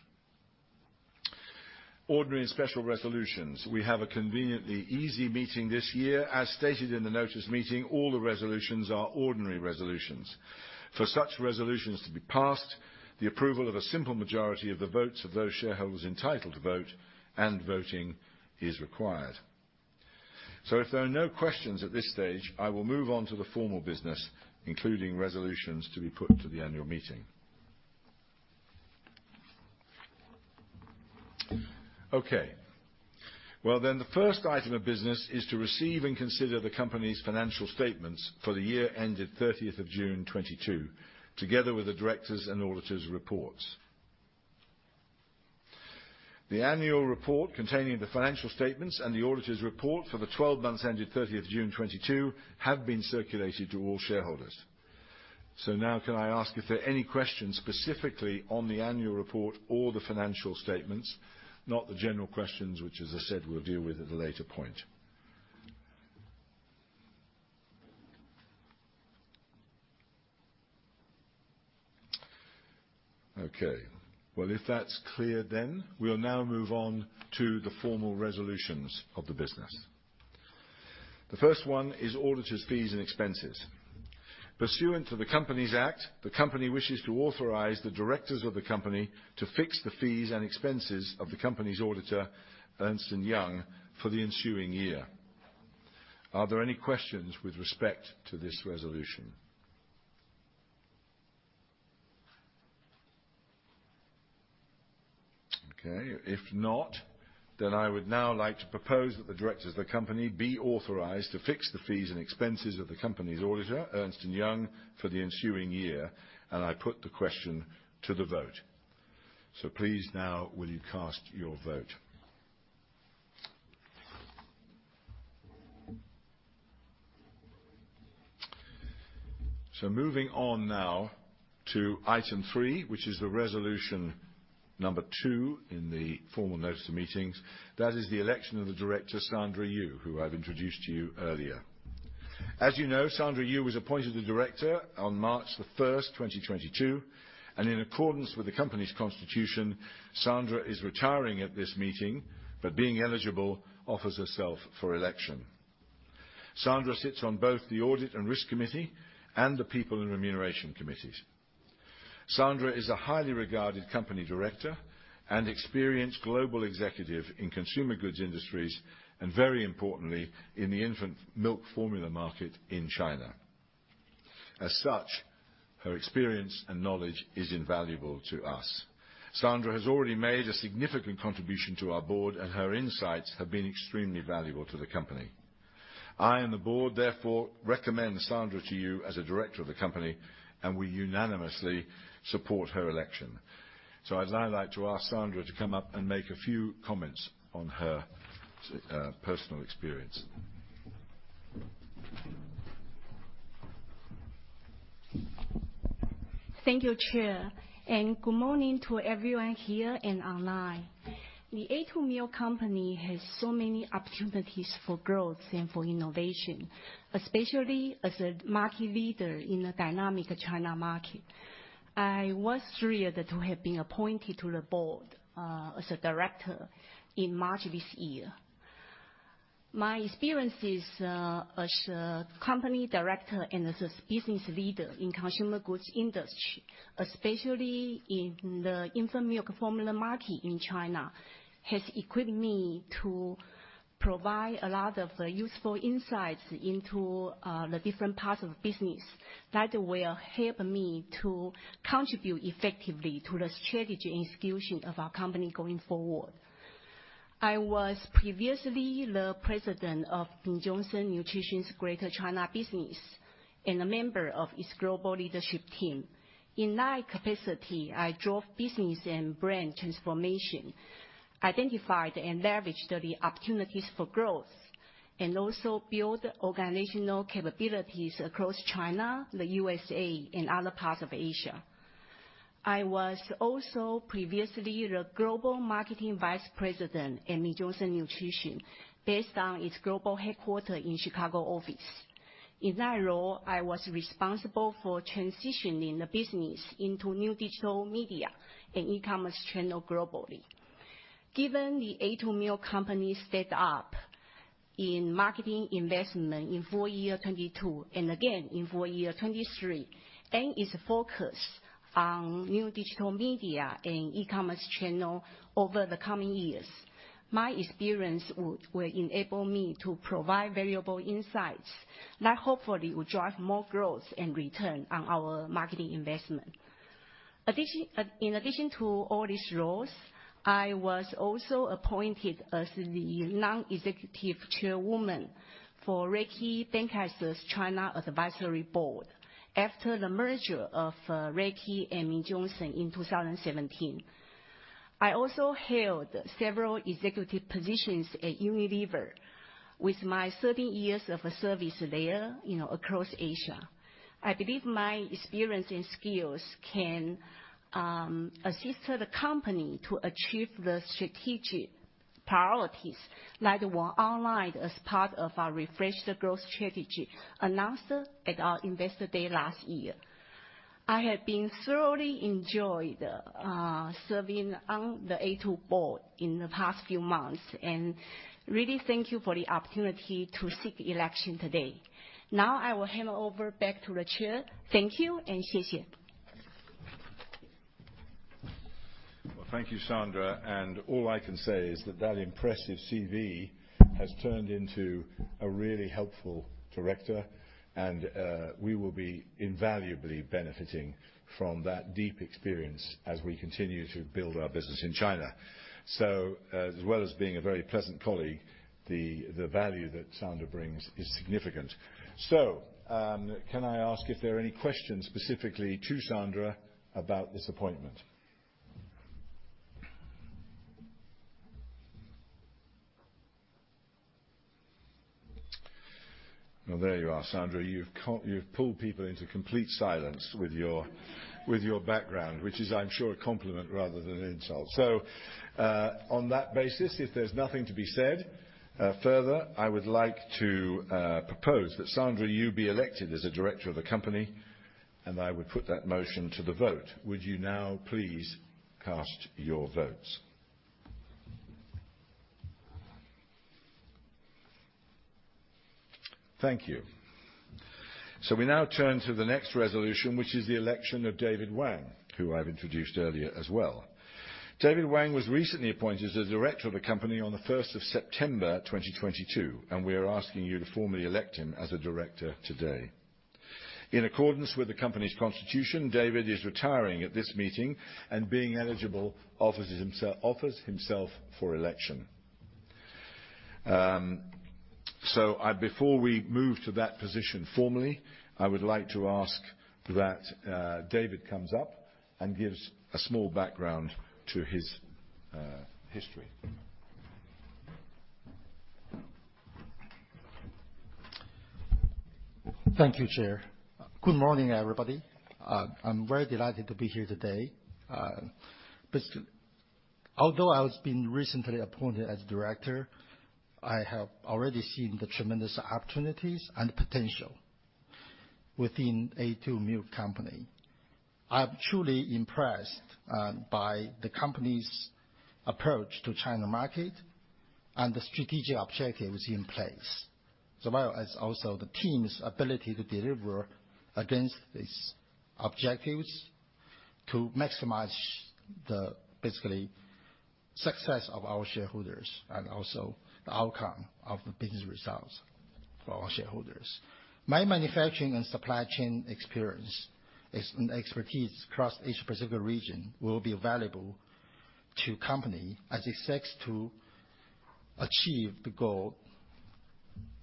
Ordinary and special resolutions. We have a conveniently easy meeting this year. As stated in the notice meeting, all the resolutions are ordinary resolutions. For such resolutions to be passed, the approval of a simple majority of the votes of those shareholders entitled to vote and voting is required. If there are no questions at this stage, I will move on to the formal business, including resolutions to be put to the annual meeting. Okay. Well, the first item of business is to receive and consider the company's financial statements for the year ended 30th of June 2022, together with the directors' and auditors' reports. The annual report containing the financial statements and the auditors' report for the 12 months ended 30th of June 2022 have been circulated to all shareholders. Now can I ask if there are any questions specifically on the annual report or the financial statements? Not the general questions, which as I said, we'll deal with at a later point. Okay. Well, if that's clear, we'll now move on to the formal resolutions of the business. The first one is auditors' fees and expenses. Pursuant to the Companies Act, the company wishes to authorize the directors of the company to fix the fees and expenses of the company's auditor, Ernst & Young, for the ensuing year. Are there any questions with respect to this resolution? Okay. If not, then I would now like to propose that the Directors of the company be authorized to fix the fees and expenses of the company's Auditor, Ernst & Young, for the ensuing year, and I put the question to the vote. Please now will you cast your vote. Moving on now to item three, which is the resolution number two in the formal Notice of Meetings, that is the election of the Director, Sandra Yu, who I've introduced to you earlier. As you know, Sandra Yu was appointed the Director on March the 1st, 2022, and in accordance with the company's constitution, Sandra is retiring at this meeting, but being eligible, offers herself for election. Sandra sits on both the Audit and Risk Committee and the People and Remuneration committees. Sandra is a highly regarded company director and experienced global executive in consumer goods industries, and very importantly, in the infant milk formula market in China. As such, her experience and knowledge is invaluable to us. Sandra has already made a significant contribution to our Board, and her insights have been extremely valuable to the company. I and the Board therefore recommend Sandra to you as a director of the company, and we unanimously support her election. I'd now like to ask Sandra to come up and make a few comments on her personal experience. Thank you, Chair, and good morning to everyone here and online. The a2 Milk Company has so many opportunities for growth and for innovation, especially as a market leader in the dynamic China market. I was thrilled to have been appointed to the Board as a director in March this year. My experiences as a company director and as a business leader in consumer goods industry, especially in the infant milk formula market in China, has equipped me to provide a lot of useful insights into the different parts of the business that will help me to contribute effectively to the strategy institution of our company going forward. I was previously the President of Mead Johnson Nutrition's Greater China business and a member of its global leadership team. In that capacity, I drove business and brand transformation, identified and leveraged the opportunities for growth and also build organizational capabilities across China, the USA, and other parts of Asia. I was also previously the Global Marketing Vice President at Mead Johnson Nutrition based on its global headquarter in Chicago office. In that role, I was responsible for transitioning the business into new digital media and e-commerce channel globally. Given The a2 Milk Company step up in marketing investment in full year 2022 and again in full year 2023, and its focus on new digital media and e-commerce channel over the coming years, my experience will enable me to provide valuable insights that hopefully will drive more growth and return on our marketing investment. In addition to all these roles, I was also appointed as the Non-Executive Chairwoman for Reckitt Benckiser's China Advisory Board after the merger of Reckitt and Mead Johnson in 2017. I also held several executive positions at Unilever with my 13 years of service there, you know, across Asia. I believe my experience and skills can assist the company to achieve the strategic priorities that were outlined as part of our refreshed growth strategy announced at our Investor Day last year. I have been thoroughly enjoyed serving on the a2 Board in the past few months, and really thank you for the opportunity to seek election today. Now I will hand over back to the Chair. Thank you and xie xie. Well, thank you, Sandra. All I can say is that impressive C.V. has turned into a really helpful director, and we will be invaluably benefiting from that deep experience as we continue to build our business in China. As well as being a very pleasant colleague, the value that Sandra brings is significant. Can I ask if there are any questions specifically to Sandra about this appointment? Well, there you are, Sandra. You've pulled people into complete silence with your background, which is, I'm sure, a compliment rather than an insult. On that basis, if there's nothing to be said further, I would like to propose that Sandra Yu be elected as a director of the company and I would put that motion to the vote. Would you now please cast your votes? Thank you. We now turn to the next resolution, which is the election of David Wang, who I've introduced earlier as well. David Wang was recently appointed as a Director of the company on the 1st of September 2022, and we are asking you to formally elect him as a Director today. In accordance with the company's constitution, David is retiring at this meeting and being eligible, offers himself for election. Before we move to that position formally, I would like to ask that David comes up and gives a small background to his history. Thank you, Chair. Good morning, everybody. I'm very delighted to be here today. Although I was being recently appointed as Director, I have already seen the tremendous opportunities and potential within a2 Milk Company. I'm truly impressed by the company's approach to China market and the strategic objectives in place, as well as also the team's ability to deliver against these objectives to maximize the, basically, success of our shareholders, and also the outcome of the business results for our shareholders. My manufacturing and supply chain experience is, and expertise across Asia-Pacific region will be valuable to company as it seeks to achieve the goal,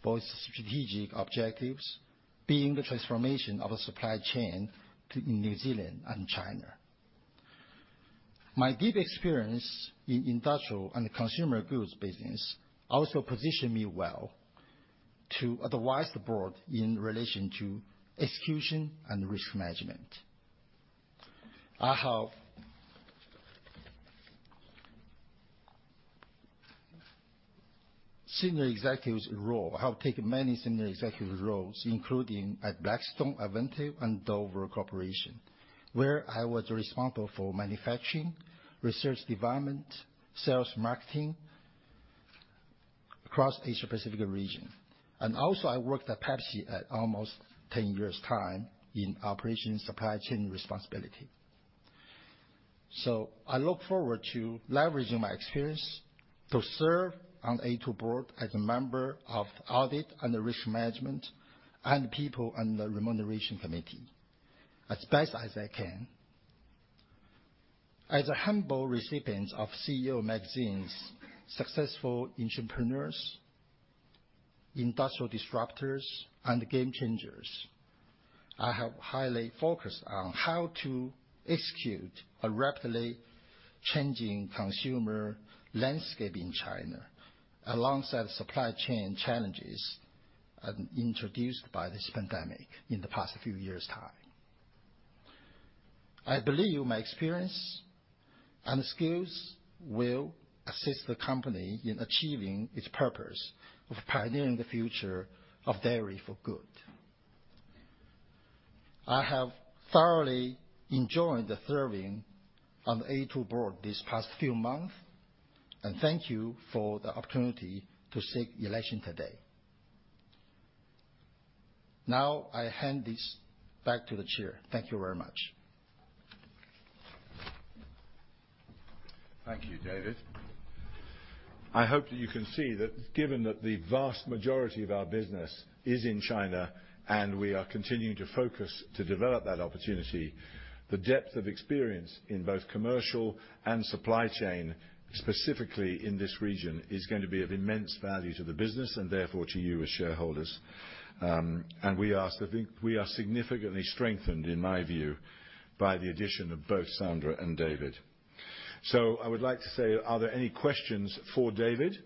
both strategic objectives, being the transformation of the supply chain to New Zealand and China. My deep experience in industrial and consumer goods business also position me well to advise the Board in relation to execution and risk management. Senior executives role. I have taken many senior executives roles, including at Blackstone, AVINTIV, and Dover Corporation, where I was responsible for manufacturing, research development, sales, marketing across Asia-Pacific region. I worked at Pepsi at almost 10 years' time in operations supply chain responsibility. I look forward to leveraging my experience to serve on a2 Board as a member of Audit and Risk Management and People and the Remuneration Committee as best as I can. As a humble recipient of CEO Magazine's Successful Entrepreneurs, Industrial Disruptors, and Game Changers, I have highly focused on how to execute a rapidly changing consumer landscape in China, alongside supply chain challenges introduced by this pandemic in the past few years' time. I believe my experience and skills will assist the company in achieving its purpose of pioneering the future of dairy for good. I have thoroughly enjoyed serving on the a2 Board these past few months, and thank you for the opportunity to seek election today. Now I hand this back to the Chair. Thank you very much. Thank you, David. I hope that you can see that given that the vast majority of our business is in China, and we are continuing to focus to develop that opportunity, the depth of experience in both commercial and supply chain, specifically in this region, is going to be of immense value to the business and therefore to you as shareholders. I think we are significantly strengthened, in my view, by the addition of both Sandra and David. I would like to say, are there any questions for David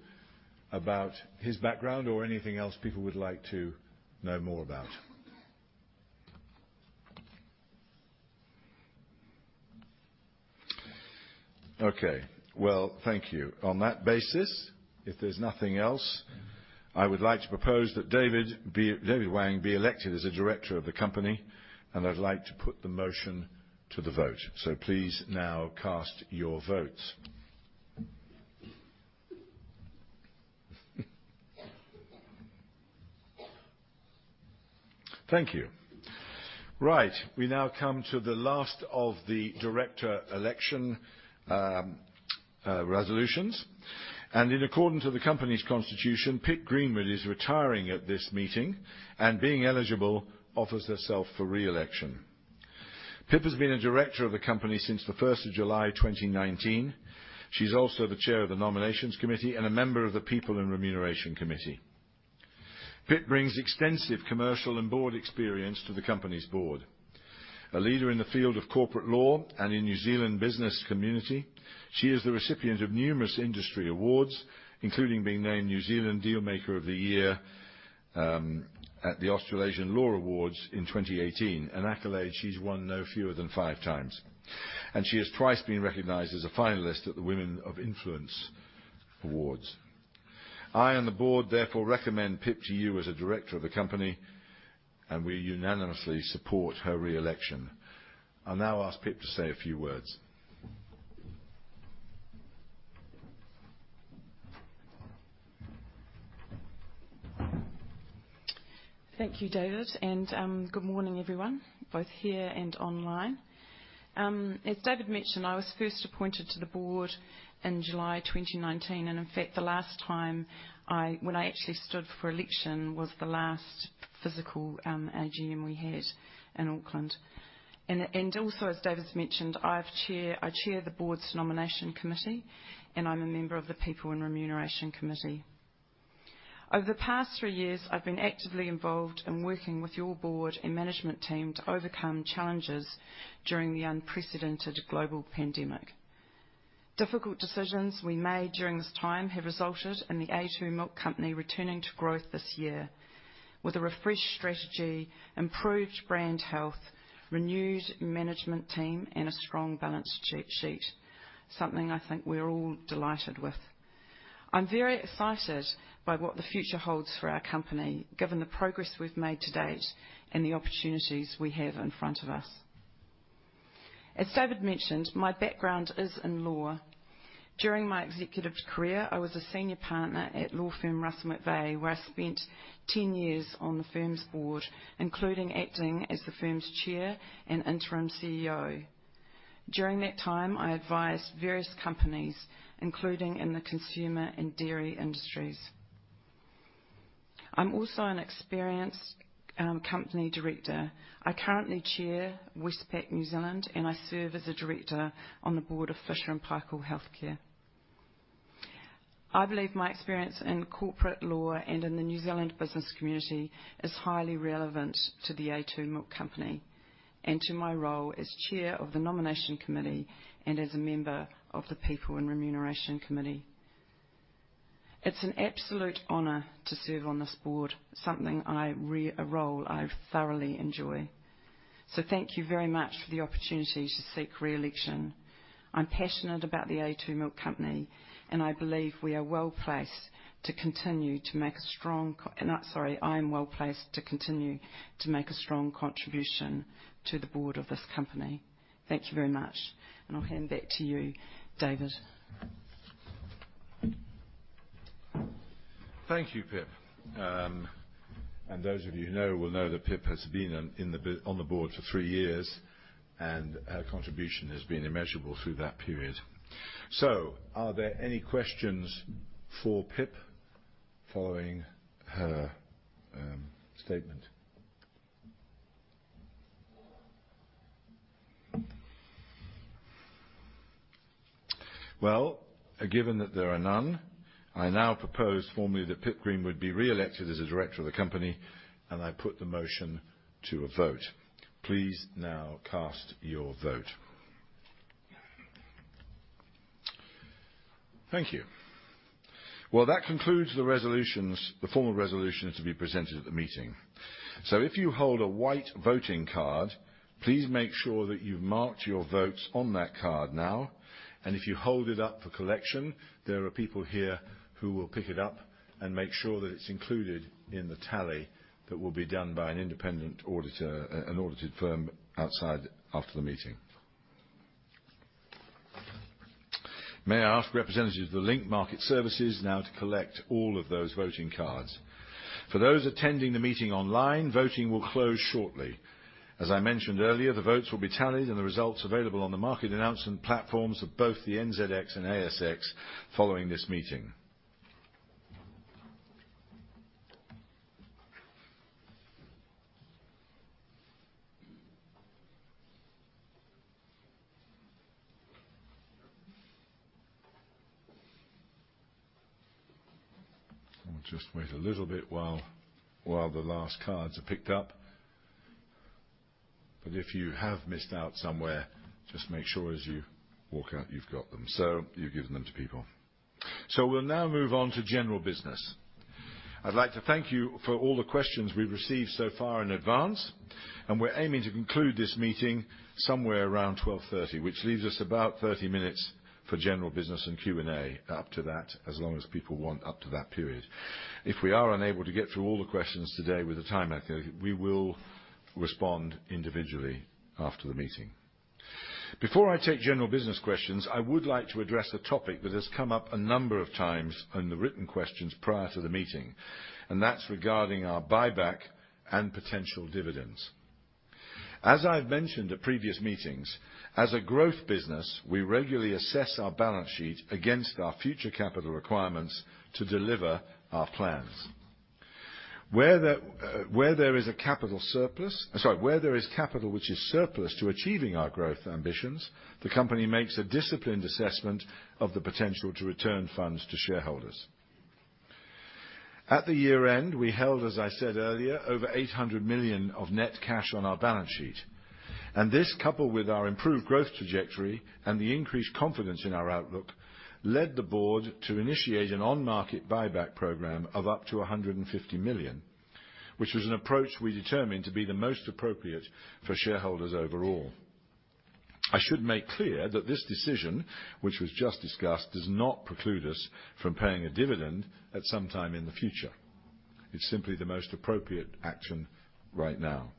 about his background or anything else people would like to know more about? Okay. Well, thank you. On that basis, if there's nothing else, I would like to propose that David Wang be elected as a director of the company, and I'd like to put the motion to the vote. Please now cast your votes. Thank you. Right. We now come to the last of the director election resolutions. In accordance with the company's constitution, Pip Greenwood is retiring at this meeting, and being eligible, offers herself for re-election. Pip has been a director of the company since the first of July 2019. She's also the Chair of the Nominations Committee and a member of the People and Remuneration Committee. Pip brings extensive commercial and board experience to the company's Board. A leader in the field of corporate law and in New Zealand business community, she is the recipient of numerous industry awards, including being named New Zealand Dealmaker of the Year at the Australasian Law Awards in 2018, an accolade she's won no fewer than five times. She has twice been recognized as a finalist at the Women of Influence Awards. I and the Board therefore recommend Pip to you as a Director of the company, and we unanimously support her re-election. I now ask Pip to say a few words. Thank you, David, and good morning, everyone, both here and online. As David mentioned, I was first appointed to the Board in July 2019, and in fact, the last time I actually stood for election was the last physical AGM we had in Auckland. Also as David's mentioned, I chair the Board's Nomination Committee, and I'm a member of the People and Remuneration Committee. Over the past three years, I've been actively involved in working with your Board and management team to overcome challenges during the unprecedented global pandemic. Difficult decisions we made during this time have resulted in The a2 Milk Company returning to growth this year with a refreshed strategy, improved brand health, renewed management team, and a strong balance sheet, something I think we're all delighted with. I'm very excited by what the future holds for our company, given the progress we've made to date and the opportunities we have in front of us. As David mentioned, my background is in law. During my executive career, I was a senior partner at law firm Russell McVeagh, where I spent 10 years on the firm's Board, including acting as the firm's Chair and Interim CEO. During that time, I advised various companies, including in the consumer and dairy industries. I'm also an experienced company director. I currently chair Westpac New Zealand, and I serve as a Director on the Board of Fisher & Paykel Healthcare. I believe my experience in corporate law and in the New Zealand business community is highly relevant to The a2 Milk Company and to my role as Chair of the Nomination Committee and as a Member of the People and Remuneration Committee. It's an absolute honor to serve on this Board, a role I thoroughly enjoy. Thank you very much for the opportunity to seek re-election. I'm passionate about The a2 Milk Company. I am well-placed to continue to make a strong contribution to the Board of this company. Thank you very much, and I'll hand back to you, David. Thank you, Pip. Those of you who know will know that Pip has been on the Board for three years, and her contribution has been immeasurable through that period. Are there any questions for Pip following her statement? Well, given that there are none, I now propose formally that Pip Greenwood be reelected as a Director of the Company, and I put the motion to a vote. Please now cast your vote. Thank you. Well, that concludes the formal resolutions to be presented at the meeting. If you hold a white voting card, please make sure that you've marked your votes on that card now, and if you hold it up for collection, there are people here who will pick it up and make sure that it's included in the tally that will be done by an independent auditor, an audit firm outside, after the meeting. May I ask representatives of the Link Market Services now to collect all of those voting cards. For those attending the meeting online, voting will close shortly. As I mentioned earlier, the votes will be tallied and the results available on the market announcement platforms of both the NZX and ASX following this meeting. We'll just wait a little bit while the last cards are picked up, but if you have missed out somewhere, just make sure as you walk out, you've got them, so you're giving them to people. We'll now move on to general business. I'd like to thank you for all the questions we've received so far in advance, and we're aiming to conclude this meeting somewhere around 12:30 P.M., which leaves us about 30 minutes for general business and Q&A up to that, as long as people want up to that period. If we are unable to get through all the questions today with the time left, we will respond individually after the meeting. Before I take general business questions, I would like to address a topic that has come up a number of times in the written questions prior to the meeting, and that's regarding our buyback and potential dividends. As I've mentioned at previous meetings, as a growth business, we regularly assess our balance sheet against our future capital requirements to deliver our plans. Where there is a capital surplus, sorry, where there is capital which is surplus to achieving our growth ambitions, the company makes a disciplined assessment of the potential to return funds to shareholders. At the year end, we held, as I said earlier, over 800 million of net cash on our balance sheet, and this, coupled with our improved growth trajectory and the increased confidence in our outlook, led the Board to initiate an on-market buyback program of up to a 150 million, which was an approach we determined to be the most appropriate for shareholders overall. I should make clear that this decision, which was just discussed, does not preclude us from paying a dividend at some time in the future. It's simply the most appropriate action right now.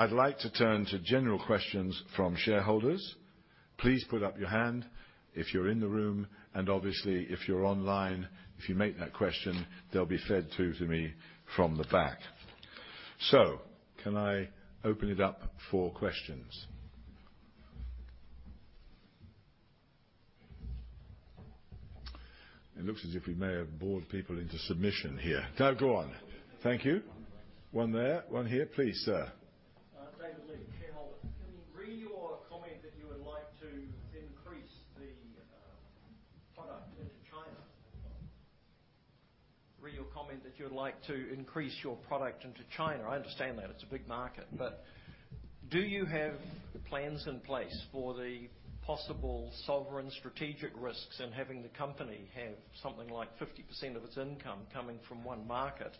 I'd like to turn to general questions from shareholders. Please put up your hand if you're in the room, and obviously if you're online, if you make that question, they'll be fed through to me from the back. Can I open it up for questions? It looks as if we may have bored people into submission here. No, go on. Thank you. One there, one here. Please, sir. David Lea, shareholder. Re your comment that you would like to increase your product into China. I understand that. It's a big market. Do you have plans in place for the possible sovereign strategic risks in having the company have something like 50% of its income coming from one market?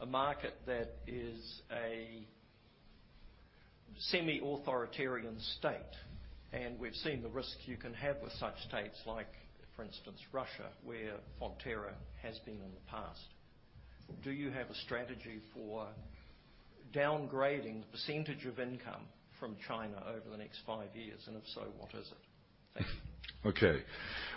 A market that is a semi-authoritarian state, and we've seen the risk you can have with such states, like for instance, Russia, where Fonterra has been in the past. Do you have a strategy for downgrading the percentage of income from China over the next five years? If so, what is it? Thank you. Okay.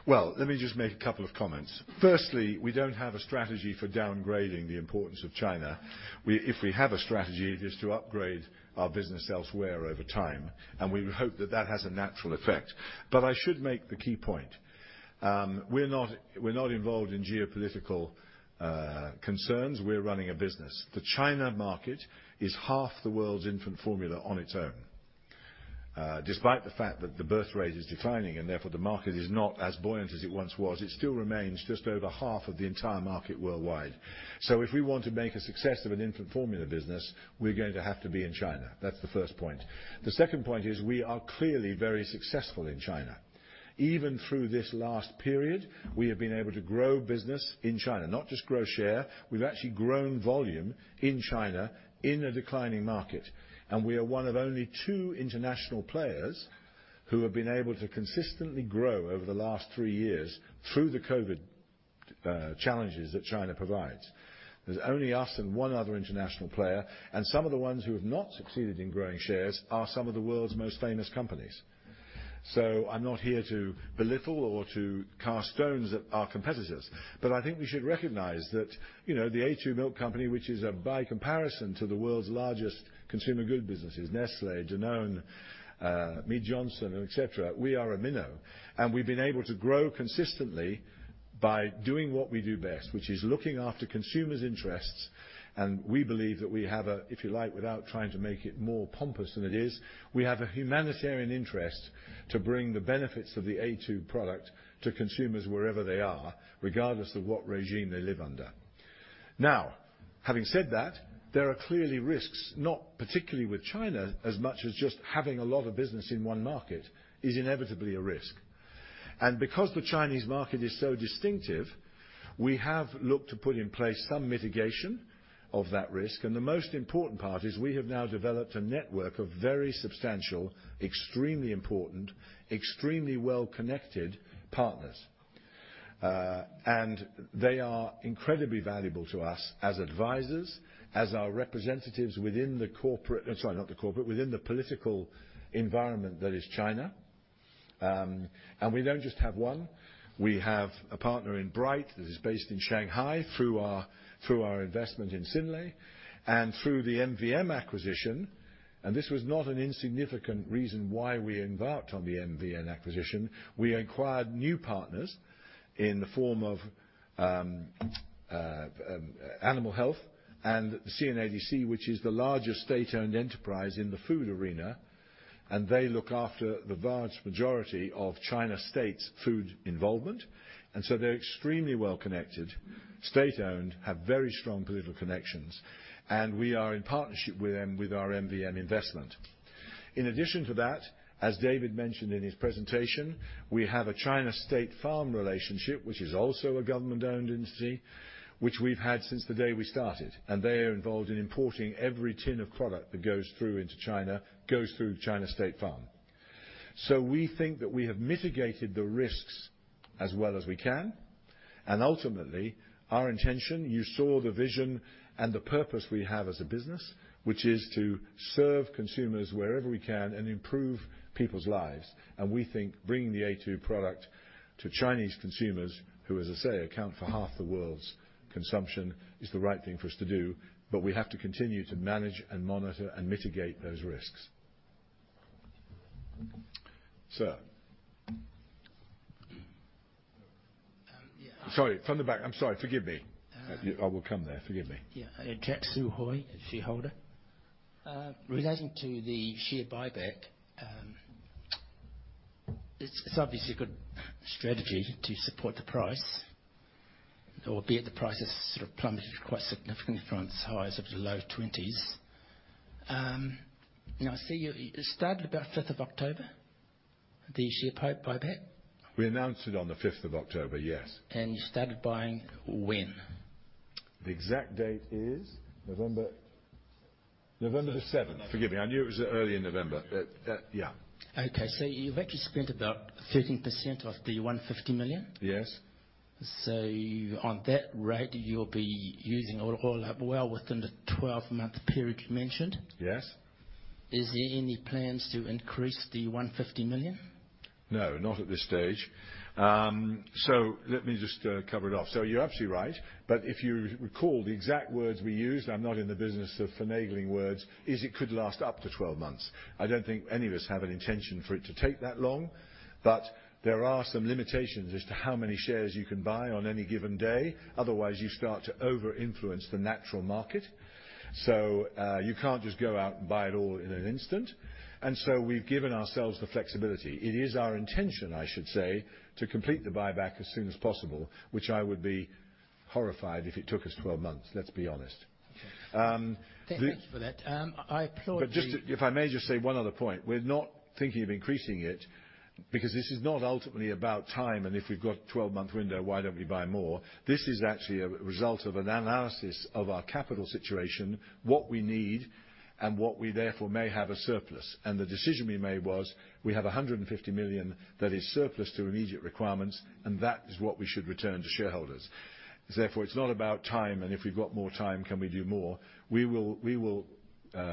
Well, let me just make a couple of comments. Firstly, we don't have a strategy for downgrading the importance of China. If we have a strategy, it is to upgrade our business elsewhere over time, and we hope that that has a natural effect. I should make the key point. We're not involved in geopolitical concerns. We're running a business. The China market is 1/2 the world's infant formula on its own. Despite the fact that the birth rate is declining, and therefore the market is not as buoyant as it once was, it still remains just over 1/2 of the entire market worldwide. If we want to make a success of an infant formula business, we're going to have to be in China. That's the first point. The second point is we are clearly very successful in China. Even through this last period, we have been able to grow business in China. Not just grow share, we've actually grown volume in China in a declining market. We are one of only two international players who have been able to consistently grow over the last three years through the COVID challenges that China provides. There's only us and one other international player, and some of the ones who have not succeeded in growing shares are some of the world's most famous companies. I'm not here to belittle or to cast stones at our competitors, but I think we should recognize that, you know, The a2 Milk Company, which is by comparison to the world's largest consumer good businesses, Nestlé, Danone, Mead Johnson, et cetera, we are a minnow. We've been able to grow consistently by doing what we do best, which is looking after consumers' interests. We believe that, if you like, without trying to make it more pompous than it is, we have a humanitarian interest to bring the benefits of the a2 product to consumers wherever they are, regardless of what regime they live under. Now, having said that, there are clearly risks, not particularly with China as much as just having a lot of business in one market is inevitably a risk. Because the Chinese market is so distinctive, we have looked to put in place some mitigation of that risk. The most important part is we have now developed a network of very substantial, extremely important, extremely well-connected partners. They are incredibly valuable to us as advisors, as our representatives within the corporate. I'm sorry, not the corporate, within the political environment that is China. Um, and we don't just have one. We have a partner in Bright that is based in Shanghai through our, through our investment in Synlait and through the MVM acquisition. And this was not an insignificant reason why we embarked on the MVM acquisition. We acquired new partners in the form of, um, uh, um, animal health and the CNADC, which is the largest state-owned enterprise in the food arena, and they look after the vast majority of China State's food involvement. And so they're extremely well connected, state-owned, have very strong political connections, and we are in partnership with them with our MVM investment. In addition to that, as David mentioned in his presentation, we have a China State Farm relationship, which is also a government-owned entity, which we've had since the day we started. They are involved in importing every tin of product that goes through into China goes through China State Farm. We think that we have mitigated the risks as well as we can. Ultimately, our intention, you saw the vision and the purpose we have as a business, which is to serve consumers wherever we can and improve people's lives. We think bringing the a2 product to Chinese consumers who, as I say, account for half the world's consumption, is the right thing for us to do. We have to continue to manage and monitor and mitigate those risks. Sir? Yeah. Sorry. From the back. I'm sorry. Forgive me. Uh. I will come there. Forgive me. Yeah, Jack Su Hoy, a shareholder. Relating to the share buyback, it's obviously a good strategy to support the price, albeit the price has sort of plummeted quite significantly from its highs of the low NZD 20s. Now, I see you started about 5th of October, the share buyback. We announced it on the fifth of October, yes. You started buying when? The exact date is November the 7th. Forgive me, I knew it was early in November, but yeah. Okay. You've actually spent about 13% of the 150 million? Yes. On that rate, you'll be using it all up well within the 12-month period you mentioned? Yes. Is there any plans to increase the 150 million? No, not at this stage. Let me just cover it off. You're absolutely right, but if you recall, the exact words we used, I'm not in the business of finagling words, is it could last up to 12 months. I don't think any of us have an intention for it to take that long, but there are some limitations as to how many shares you can buy on any given day. Otherwise, you start to over-influence the natural market. You can't just go out and buy it all in an instant, and so we've given ourselves the flexibility. It is our intention, I should say, to complete the buyback as soon as possible, which I would be horrified if it took us 12 months, let's be honest. Thank you for that. I applaud you. If I may just say one other point. We're not thinking of increasing it because this is not ultimately about time, and if we've got a 12-month window, why don't we buy more? This is actually a result of an analysis of our capital situation, what we need, and what we therefore may have a surplus. The decision we made was, we have 150 million that is surplus to immediate requirements, and that is what we should return to shareholders. Therefore, it's not about time, and if we've got more time, can we do more? We will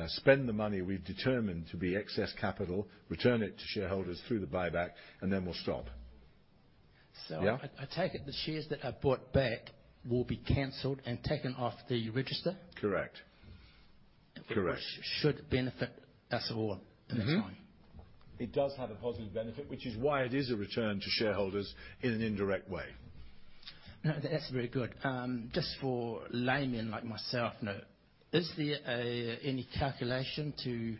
spend the money we've determined to be excess capital, return it to shareholders through the buyback, and then we'll stop. So. Yeah. I take it the shares that are bought back will be canceled and taken off the register? Correct. Correct. Which should benefit us all in the time. It does have a positive benefit, which is why it is a return to shareholders in an indirect way. No, that's very good. Just for laymen like myself, is there any calculation to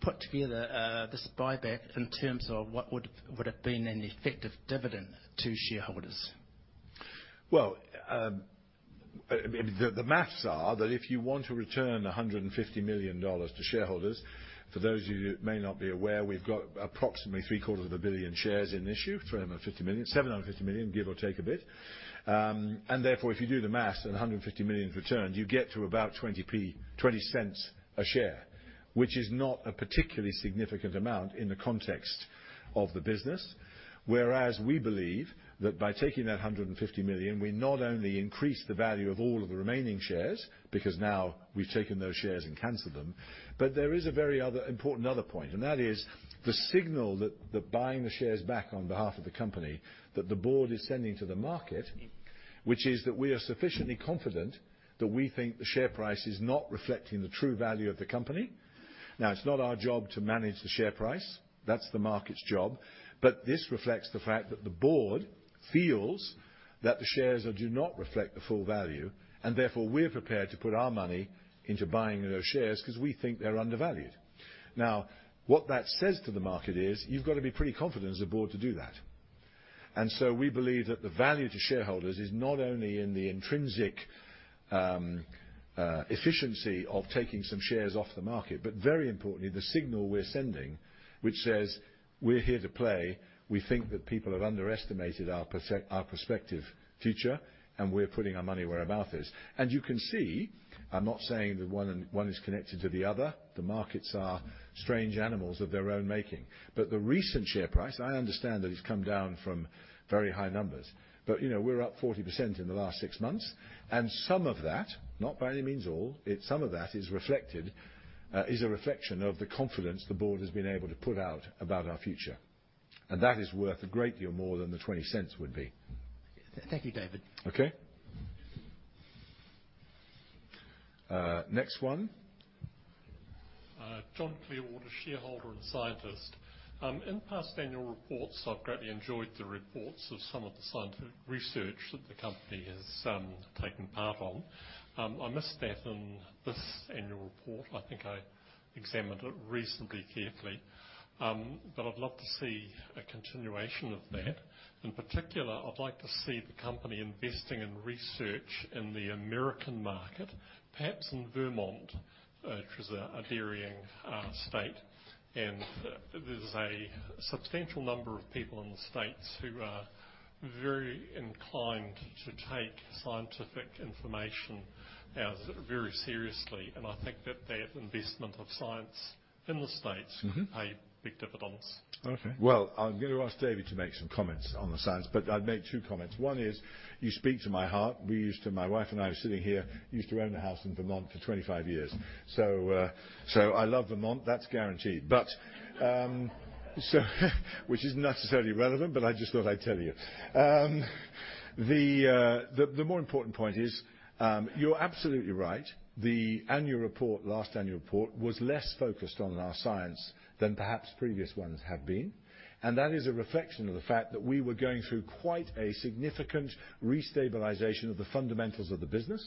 put together this buyback in terms of what would have been an effective dividend to shareholders? Well, the maths are that if you want to return 150 million dollars to shareholders, for those of you who may not be aware, we've got approximately 750 billion shares in issue, 750 million, give or take a bit. Therefore, if you do the maths and 150 million is returned, you get to about 0.20 a share, which is not a particularly significant amount in the context of the business. Whereas we believe that by taking that 150 million, we not only increase the value of all of the remaining shares, because now we've taken those shares and canceled them. There is a very important other point, and that is the signal that buying the shares back on behalf of the company, that the Board is sending to the market. Mm-hmm. Which is that we are sufficiently confident that we think the share price is not reflecting the true value of the company. Now, it's not our job to manage the share price. That's the market's job. This reflects the fact that the Board feels that the shares do not reflect the full value, and therefore we're prepared to put our money into buying those shares because we think they're undervalued. Now, what that says to the market is, you've got to be pretty confident as a Board to do that. We believe that the value to shareholders is not only in the intrinsic efficiency of taking some shares off the market, but very importantly, the signal we're sending, which says, "We're here to play. We think that people have underestimated our perspec, our prospective future, and we're putting our money where our mouth is." And you can see, I'm not saying that one and, one is connected to the other. The markets are strange animals of their own making. But the recent share price, I understand that it's come down from very high numbers, but, you know, we're up 40% in the last six months, and some of that, not by any means all, it, some of that is reflected, uh, is a reflection of the confidence the Board has been able to put out about our future. And that is worth a great deal more than the 0.20 Would be. Thank you, David. Okay. Next one. John Clearwater, Shareholder and Scientist. In past annual reports, I've greatly enjoyed the reports of some of the scientific research that the company has taken part on. I missed that in this annual report. I think I examined it reasonably carefully. I'd love to see a continuation of that. In particular, I'd like to see the company investing in research in the American market, perhaps in Vermont, which is a dairying state. There's a substantial number of people in the States who are very inclined to take scientific information very seriously. I think that that investment of science in the States. Mm-hmm. Could pay big dividends. Okay. Well, I'm gonna ask David to make some comments on the science, but I'd make two comments. One is, you speak to my heart. We used to. My wife and I sitting here used to own a house in Vermont for 25 years. So, uh, so I love Vermont, that's guaranted. But, um. So which isn't necessarily relevant, but I just thought I'd tell you. Um, the, uh, the more important point is, um, you're absolutely right. The annual report, last annual report was less focused on our science than perhaps previous ones have been. And that is a reflection of the fact that we were going through quite a significant restabilization of the fundamentals of the business.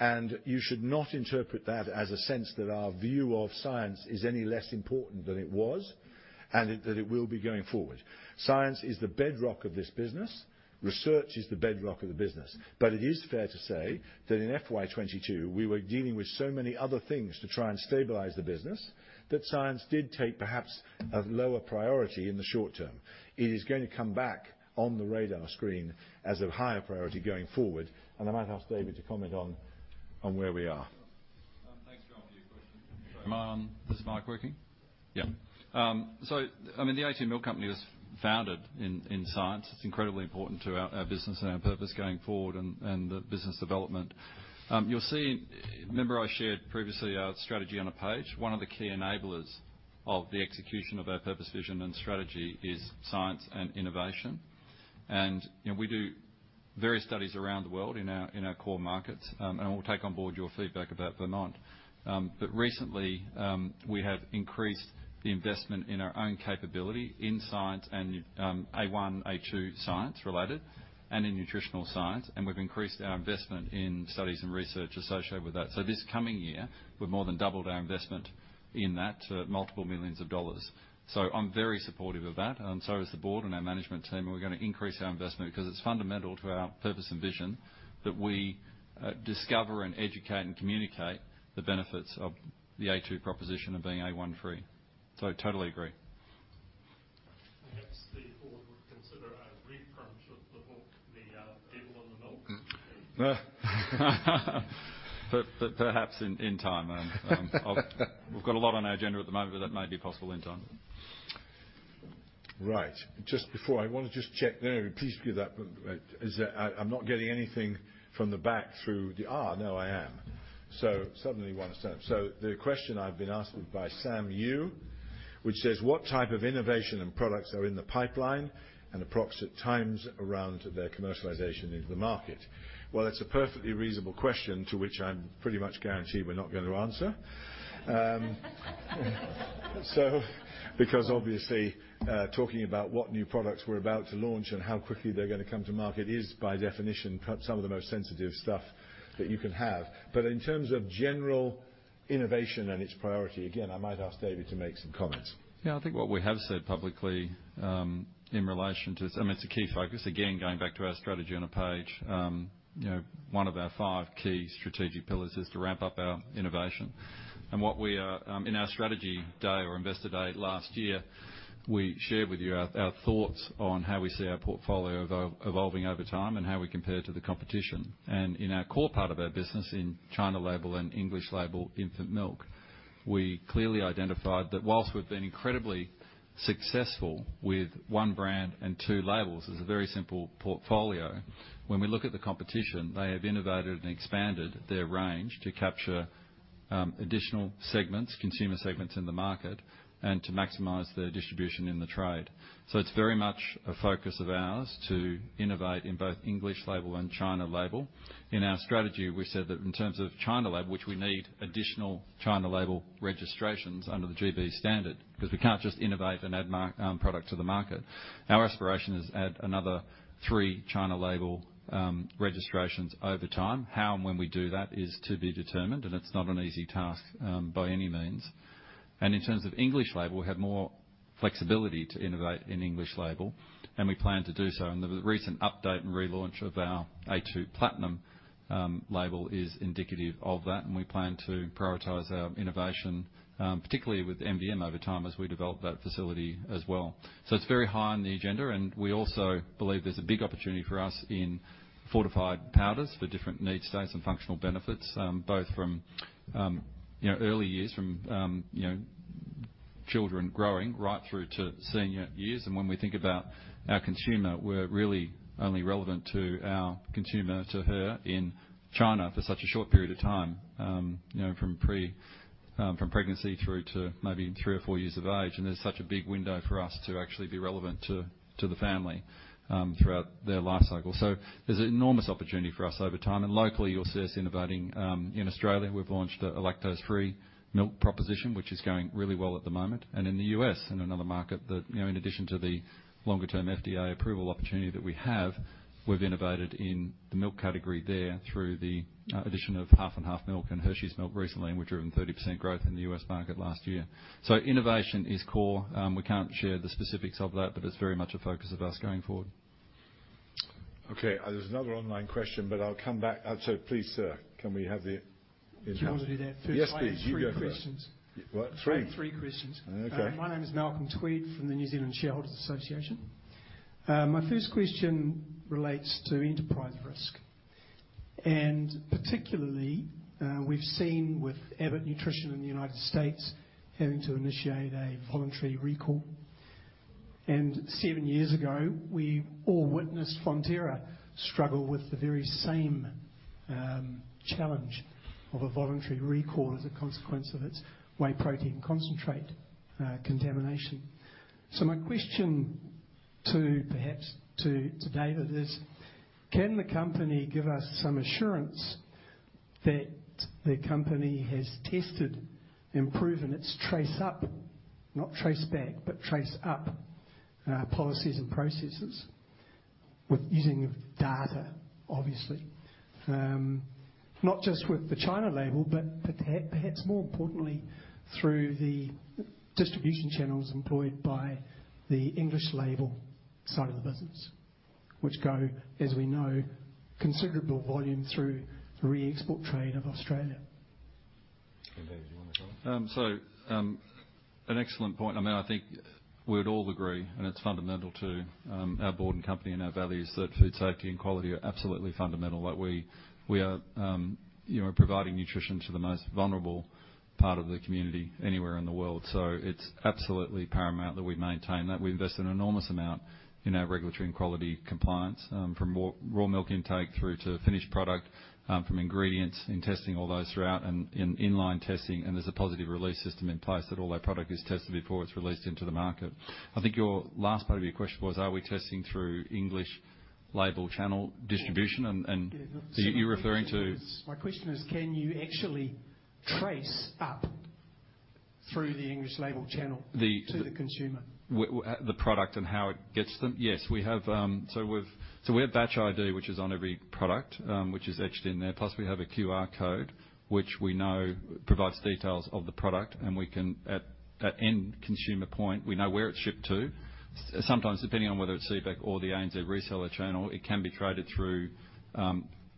And you should not interpret that as a sense that our view of science is any less important than it was, and it, that it will be going forward. Science is the bedrock of this business. Research is the bedrock of the business. It is fair to say that in FY 2022, we were dealing with so many other things to try and stabilize the business that science did take perhaps a lower priority in the short term. It is going to come back on the radar screen as a higher priority going forward. I might ask David to comment on where we are. This is Mike working? Yeah. Um, so, I mean, the eighteen milk company was founded in science. It's incredibly important to our business and our purpose going forward and the business development. Um, you'll see, remember I shared previously our strategy on a page. One of the key enablers of the execution of our purpose, vision, and strategy is science and innovation. And, you know, we do various studies around the world in our, in our core markets, um, and we'll take on board your feedback about Vermont. Um, but recently, um, we have increased the investment in our own capability in science and, um, A1, A2 science related and in nutritional science. And we've increased our investment in studies and research associated with that. So this coming year, we've more than doubled our investment in that to multiple millions of dollars. I'm very supportive of that, and so is the Board and our management team, and we're gonna increase our investment because it's fundamental to our purpose and vision that we discover and educate and communicate the benefits of the A2 proposition of being A1 free. I totally agree. Perhaps the Board would consider a refresh of the book, The Devil in the Milk. Perhaps in time. We've got a lot on our agenda at the moment, but that may be possible in time. Right. Just before, I wanna just check. Please give that. I'm not getting anything from the back. Now I am. Suddenly one has turned up. The question I've been asked by Sam Yu, which says, What type of innovation and products are in the pipeline and approximate times around their commercialization into the market? Well, that's a perfectly reasonable question, to which I'm pretty much guaranteed we're not going to answer. Because obviously, talking about what new products we're about to launch and how quickly they're gonna come to market is by definition, perhaps some of the most sensitive stuff that you can have. In terms of general innovation and its priority, again, I might ask David to make some comments. Yeah, I think what we have said publicly in relation to, I mean, it's a key focus. Again, going back to our strategy on a page, you know, one of our five key strategic pillars is to ramp up our innovation. In our strategy day or investor day last year, we shared with you our thoughts on how we see our portfolio evolving over time and how we compare to the competition. In our core part of our business in China label and English label infant milk, we clearly identified that whilst we've been incredibly successful with one brand and two labels as a very simple portfolio. When we look at the competition, they have innovated and expanded their range to capture additional consumer segments in the market and to maximize their distribution in the trade. It's very much a focus of ours to innovate in both English label and China label. In our strategy, we said that in terms of China label, which we need additional China label registrations under the GB standard, because we can't just innovate and add product to the market. Our aspiration is add another three China label registrations over time. How and when we do that is to be determined, and it's not an easy task by any means. In terms of English label, we have more flexibility to innovate in English label, and we plan to do so. The recent update and relaunch of our a2 Platinum label is indicative of that, and we plan to prioritize our innovation, particularly with MVM over time as we develop that facility as well. It's very high on the agenda, and we also believe there's a big opportunity for us in fortified powders for different need states and functional benefits, both from, you know, early years from, you know, children growing right through to senior years. When we think about our consumer, we're really only relevant to our consumer, to her in China for such a short period of time, you know, from pregnancy through to maybe three or four years of age. There's such a big window for us to actually be relevant to the family throughout their life cycle. There's enormous opportunity for us over time. Locally, you'll see us innovating in Australia. We've launched a lactose free milk proposition, which is going really well at the moment. In the U.S., in another market that, you know, in addition to the longer term FDA approval opportunity that we have, we've innovated in the milk category there through the addition of Half and Half milk and Hershey's milk recently, and we've driven 30% growth in the U.S. market last year. Innovation is core. We can't share the specifics of that, but it's very much a focus of us going forward. Okay. There's another online question, but I'll come back. Please, sir, can we have the introduction? Do you want me to do that first? Yes, please. You go for it. I have three questions. What? Three? I have three questions. Okay. My name is Malcolm Tweed from the New Zealand Shareholders' Association. My first question relates to enterprise risk, and particularly, we've seen with Abbott Nutrition in the United States having to initiate a voluntary recall. Seven years ago, we all witnessed Fonterra struggle with the very same challenge of a voluntary recall as a consequence of its whey protein concentrate contamination. My question perhaps to David is, can the company give us some assurance that the company has tested and proven its trace up, not trace back, but trace up policies and processes with using of data, obviously, not just with the China label, but perhaps more importantly, through the distribution channels employed by the English label side of the business, which go, as we know, considerable volume through re-export trade of Australia? Okay. David, do you wanna go? An excellent point. I mean, I think we'd all agree, and it's fundamental to our Board and company and our values, that food safety and quality are absolutely fundamental. We are, you know, providing nutrition to the most vulnerable part of the community anywhere in the world. It's absolutely paramount that we maintain that. We invest an enormous amount in our regulatory and quality compliance from raw milk intake through to finished product, from ingredients in testing all those throughout and in inline testing. There's a positive release system in place that all our product is tested before it's released into the market. I think your last part of your question was, are we testing through English label channel distribution? Yeah. Are you referring to? My question is, can you actually trace up through the English label channel? The- To the consumer? The product and how it gets to them? Yes. We have batch ID, which is on every product, which is etched in there. Plus, we have a QR code, which we know provides details of the product, and at end consumer point, we know where it's shipped to. Sometimes, depending on whether it's CBEC or the ANZ reseller channel, it can be traded through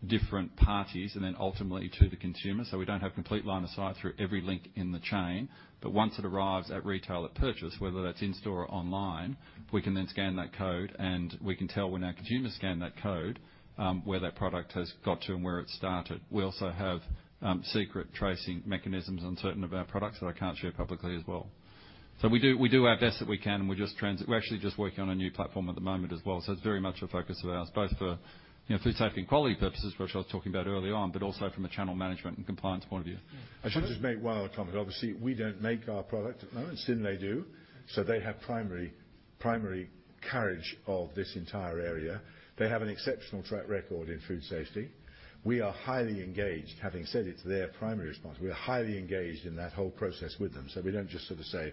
different parties and then ultimately to the consumer. We don't have complete line of sight through every link in the chain. Once it arrives at retailer purchase, whether that's in-store or online, we can then scan that code, and we can tell when our consumers scan that code, where that product has got to and where it started. We also have secret tracing mechanisms on certain of our products that I can't share publicly as well. We do our best that we can. We're actually just working on a new platform at the moment as well. It's very much a focus of ours, both for, you know, food safety and quality purposes, which I was talking about early on, but also from a channel management and compliance point of view. Yeah. I should just make one other comment. Obviously, we don't make our product at the moment. Synlait do. They have primary carriage of this entire area. They have an exceptional track record in food safety. We are highly engaged. Having said it's their primary response, we are highly engaged in that whole process with them. We don't just sort of say,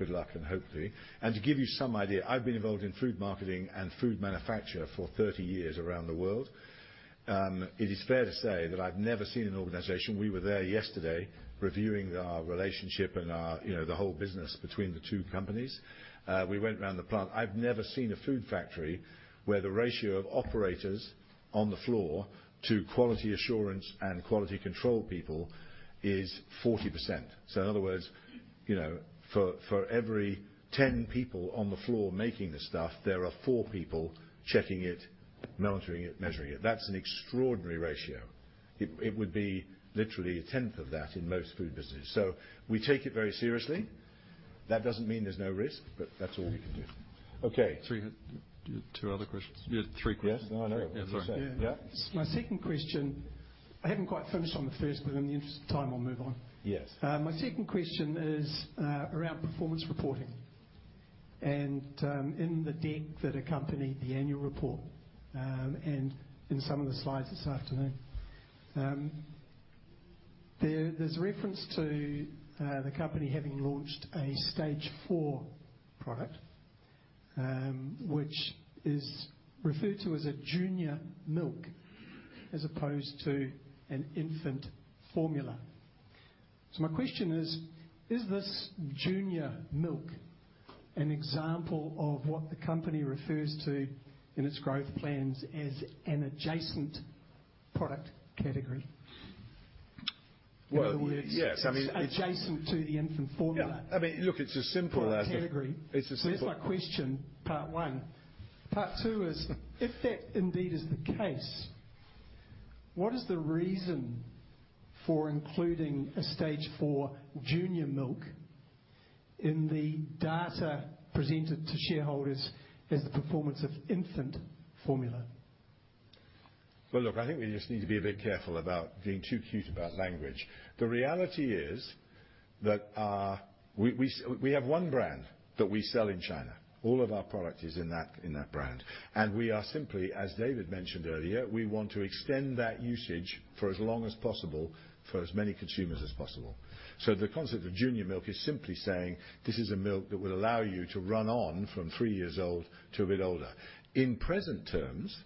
"Good luck, and hopefully." To give you some idea, I've been involved in food marketing and food manufacture for 30 years around the world. It is fair to say that I've never seen an organization. We were there yesterday reviewing our relationship and, you know, the whole business between the two companies. We went around the plant. I've never seen a food factory where the ratio of operators on the floor to quality assurance and quality control people is 40%. In other words, you know, for every 10 people on the floor making the stuff, there are four people checking it, monitoring it, measuring it. That's an extraordinary ratio. It would be literally a tenth of that in most food businesses. We take it very seriously. That doesn't mean there's no risk, but that's all we can do. Okay. Two other questions. Yeah, three questions. Yes. Oh, sorry. Yeah. My second question, I haven't quite finished on the first, but in the interest of time, I'll move on. Yes. My second question is around performance reporting. In the deck that accompanied the annual report and in some of the slides this afternoon, there's reference to the company having launched a stage 4 product, which is referred to as a junior milk as opposed to an infant formula. My question is this junior milk an example of what the company refers to in its growth plans as an adjacent product category? Well, yes. Adjacent to the infant formula. Yeah. I mean, look, it's as simple as. Product category. It's as simple. That's my question, part one. Part two is: If that indeed is the case, what is the reason for including a stage 4 junior milk in the data presented to shareholders as the performance of infant formula? Well, look, I think we just need to be a bit careful about being too cute about language. The reality is that we have one brand that we sell in China. All of our product is in that brand. As David mentioned earlier, we want to extend that usage for as long as possible for as many consumers as possible. The concept of junior milk is simply saying, this is a milk that will allow you to run on from three years old to a bit older. In present terms,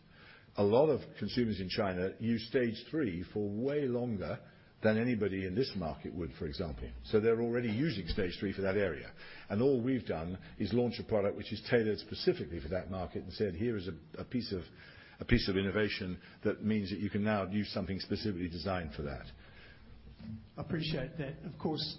a lot of consumers in China use stage 3 for way longer than anybody in this market would, for example. They're already using stage 3 for that area. All we've done is launch a product which is tailored specifically for that market and said, "Here is a piece of innovation that means that you can now use something specifically designed for that." Appreciate that. Of course,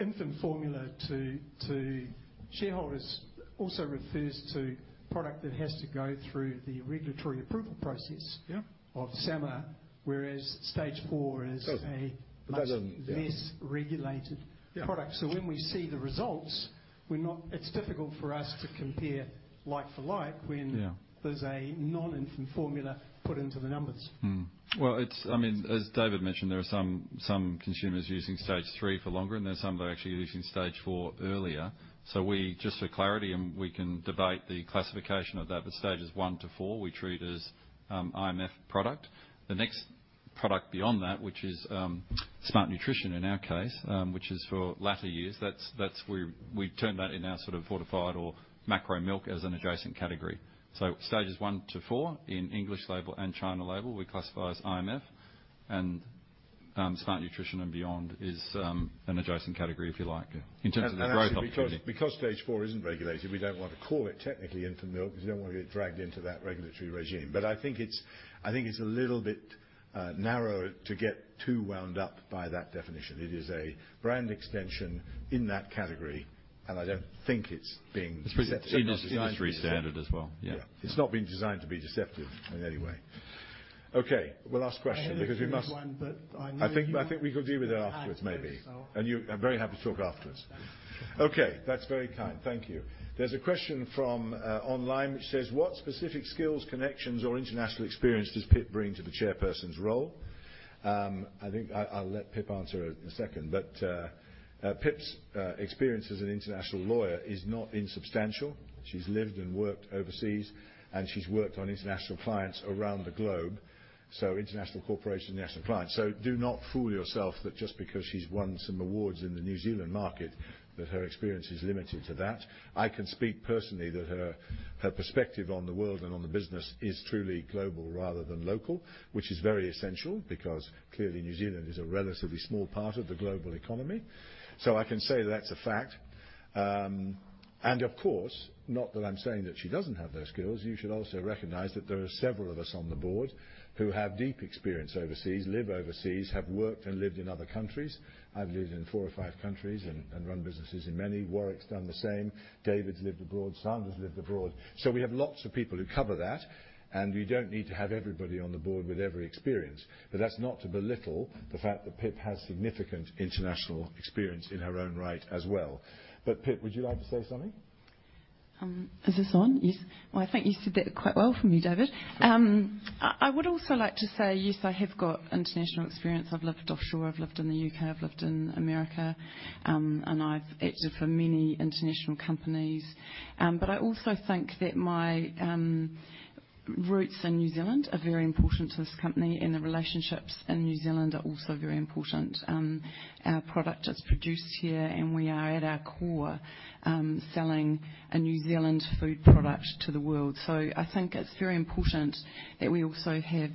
infant formula to shareholders also refers to product that has to go through the regulatory approval process. Yeah. Of SAMR, whereas stage 4. Doesn't. Much less regulated product. Yeah. When we see the results, It's difficult for us to compare like for like. Yeah. There's a non-infant formula put into the numbers. Well, it's, I mean, as David mentioned, there are some consumers using stage 3 for longer, and there's some that are actually using stage 4 earlier. We, just for clarity, and we can debate the classification of that, but stages 1-4, we treat as IMF product. The next product beyond that, which is Smart Nutrition in our case, which is for latter years, that's where we term that in our sort of fortified or macro milk as an adjacent category. Stages 1-4 in English label and China label, we classify as IMF, and Smart Nutrition and Beyond is an adjacent category, if you like, in terms of the growth opportunity. Actually, because stage 4 isn't regulated, we don't want to call it technically infant milk 'cause we don't wanna get dragged into that regulatory regime. I think it's a little bit narrow to get too wound up by that definition. It is a brand extension in that category, and I don't think it's being deceptive. It's pretty industry standard as well. Yeah. Yeah. It's not been designed to be deceptive in any way. Okay. Well, last question, because we must. I had a previous one. I think we could deal with it afterwards maybe. You've had this. I'm very happy to talk afterwards. Okay. That's very kind. Thank you. There's a question from online which says, "What specific skills, connections, or international experience does Pip bring to the chairperson's role?" I think I'll let Pip answer it in a second, but Pip's experience as an international lawyer is not insubstantial. She's lived and worked overseas, and she's worked on international clients around the globe, so international corporations and international clients. Do not fool yourself that just because she's won some awards in the New Zealand market, that her experience is limited to that. I can speak personally that her perspective on the world and on the business is truly global rather than local, which is very essential because clearly New Zealand is a relatively small part of the global economy. I can say that's a fact. Of course, not that I'm saying that she doesn't have those skills, you should also recognize that there are several of us on the Board who have deep experience overseas, live overseas, have worked and lived in other countries. I've lived in four or five countries and run businesses in many. Warwick's done the same. David's lived abroad. Sandra's lived abroad. We have lots of people who cover that, and you don't need to have everybody on the Board with every experience. That's not to belittle the fact that Pip has significant international experience in her own right as well. Pip, would you like to say something? Is this on? Yes. Well, I think you said that quite well for me, David. I would also like to say, yes, I have got international experience. I've lived offshore, I've lived in the U.K., I've lived in America, and I've acted for many international companies. I also think that my roots in New Zealand are very important to this company, and the relationships in New Zealand are also very important. Our product is produced here, and we are at our core selling a New Zealand food product to the world. I think it's very important that we also have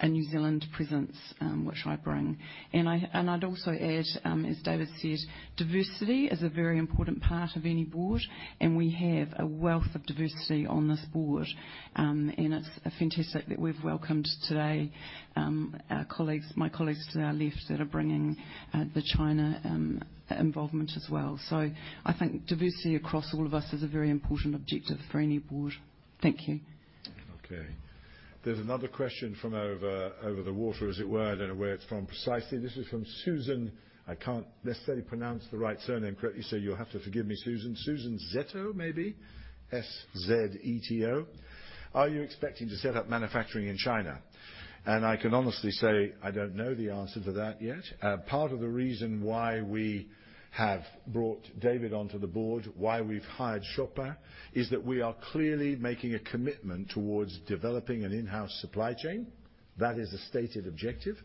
a New Zealand presence, which I bring. I'd also add, as David said, diversity is a very important part of any board, and we have a wealth of diversity on this board. It's fantastic that we've welcomed today my colleagues to our left that are bringing the China involvement as well. I think diversity across all of us is a very important objective for any board. Thank you. Okay. There's another question from over the water, as it were. I don't know where it's from precisely. This is from Susan. I can't necessarily pronounce the right surname correctly, so you'll have to forgive me, Susan. Susan Szeto, maybe. S-Z-E-T-O. Are you expecting to set up manufacturing in China? I can honestly say I don't know the answer to that yet. Part of the reason why we have brought David onto the Board, why we've hired Chopin, is that we are clearly making a commitment towards developing an in-house supply chain. That is a stated objective.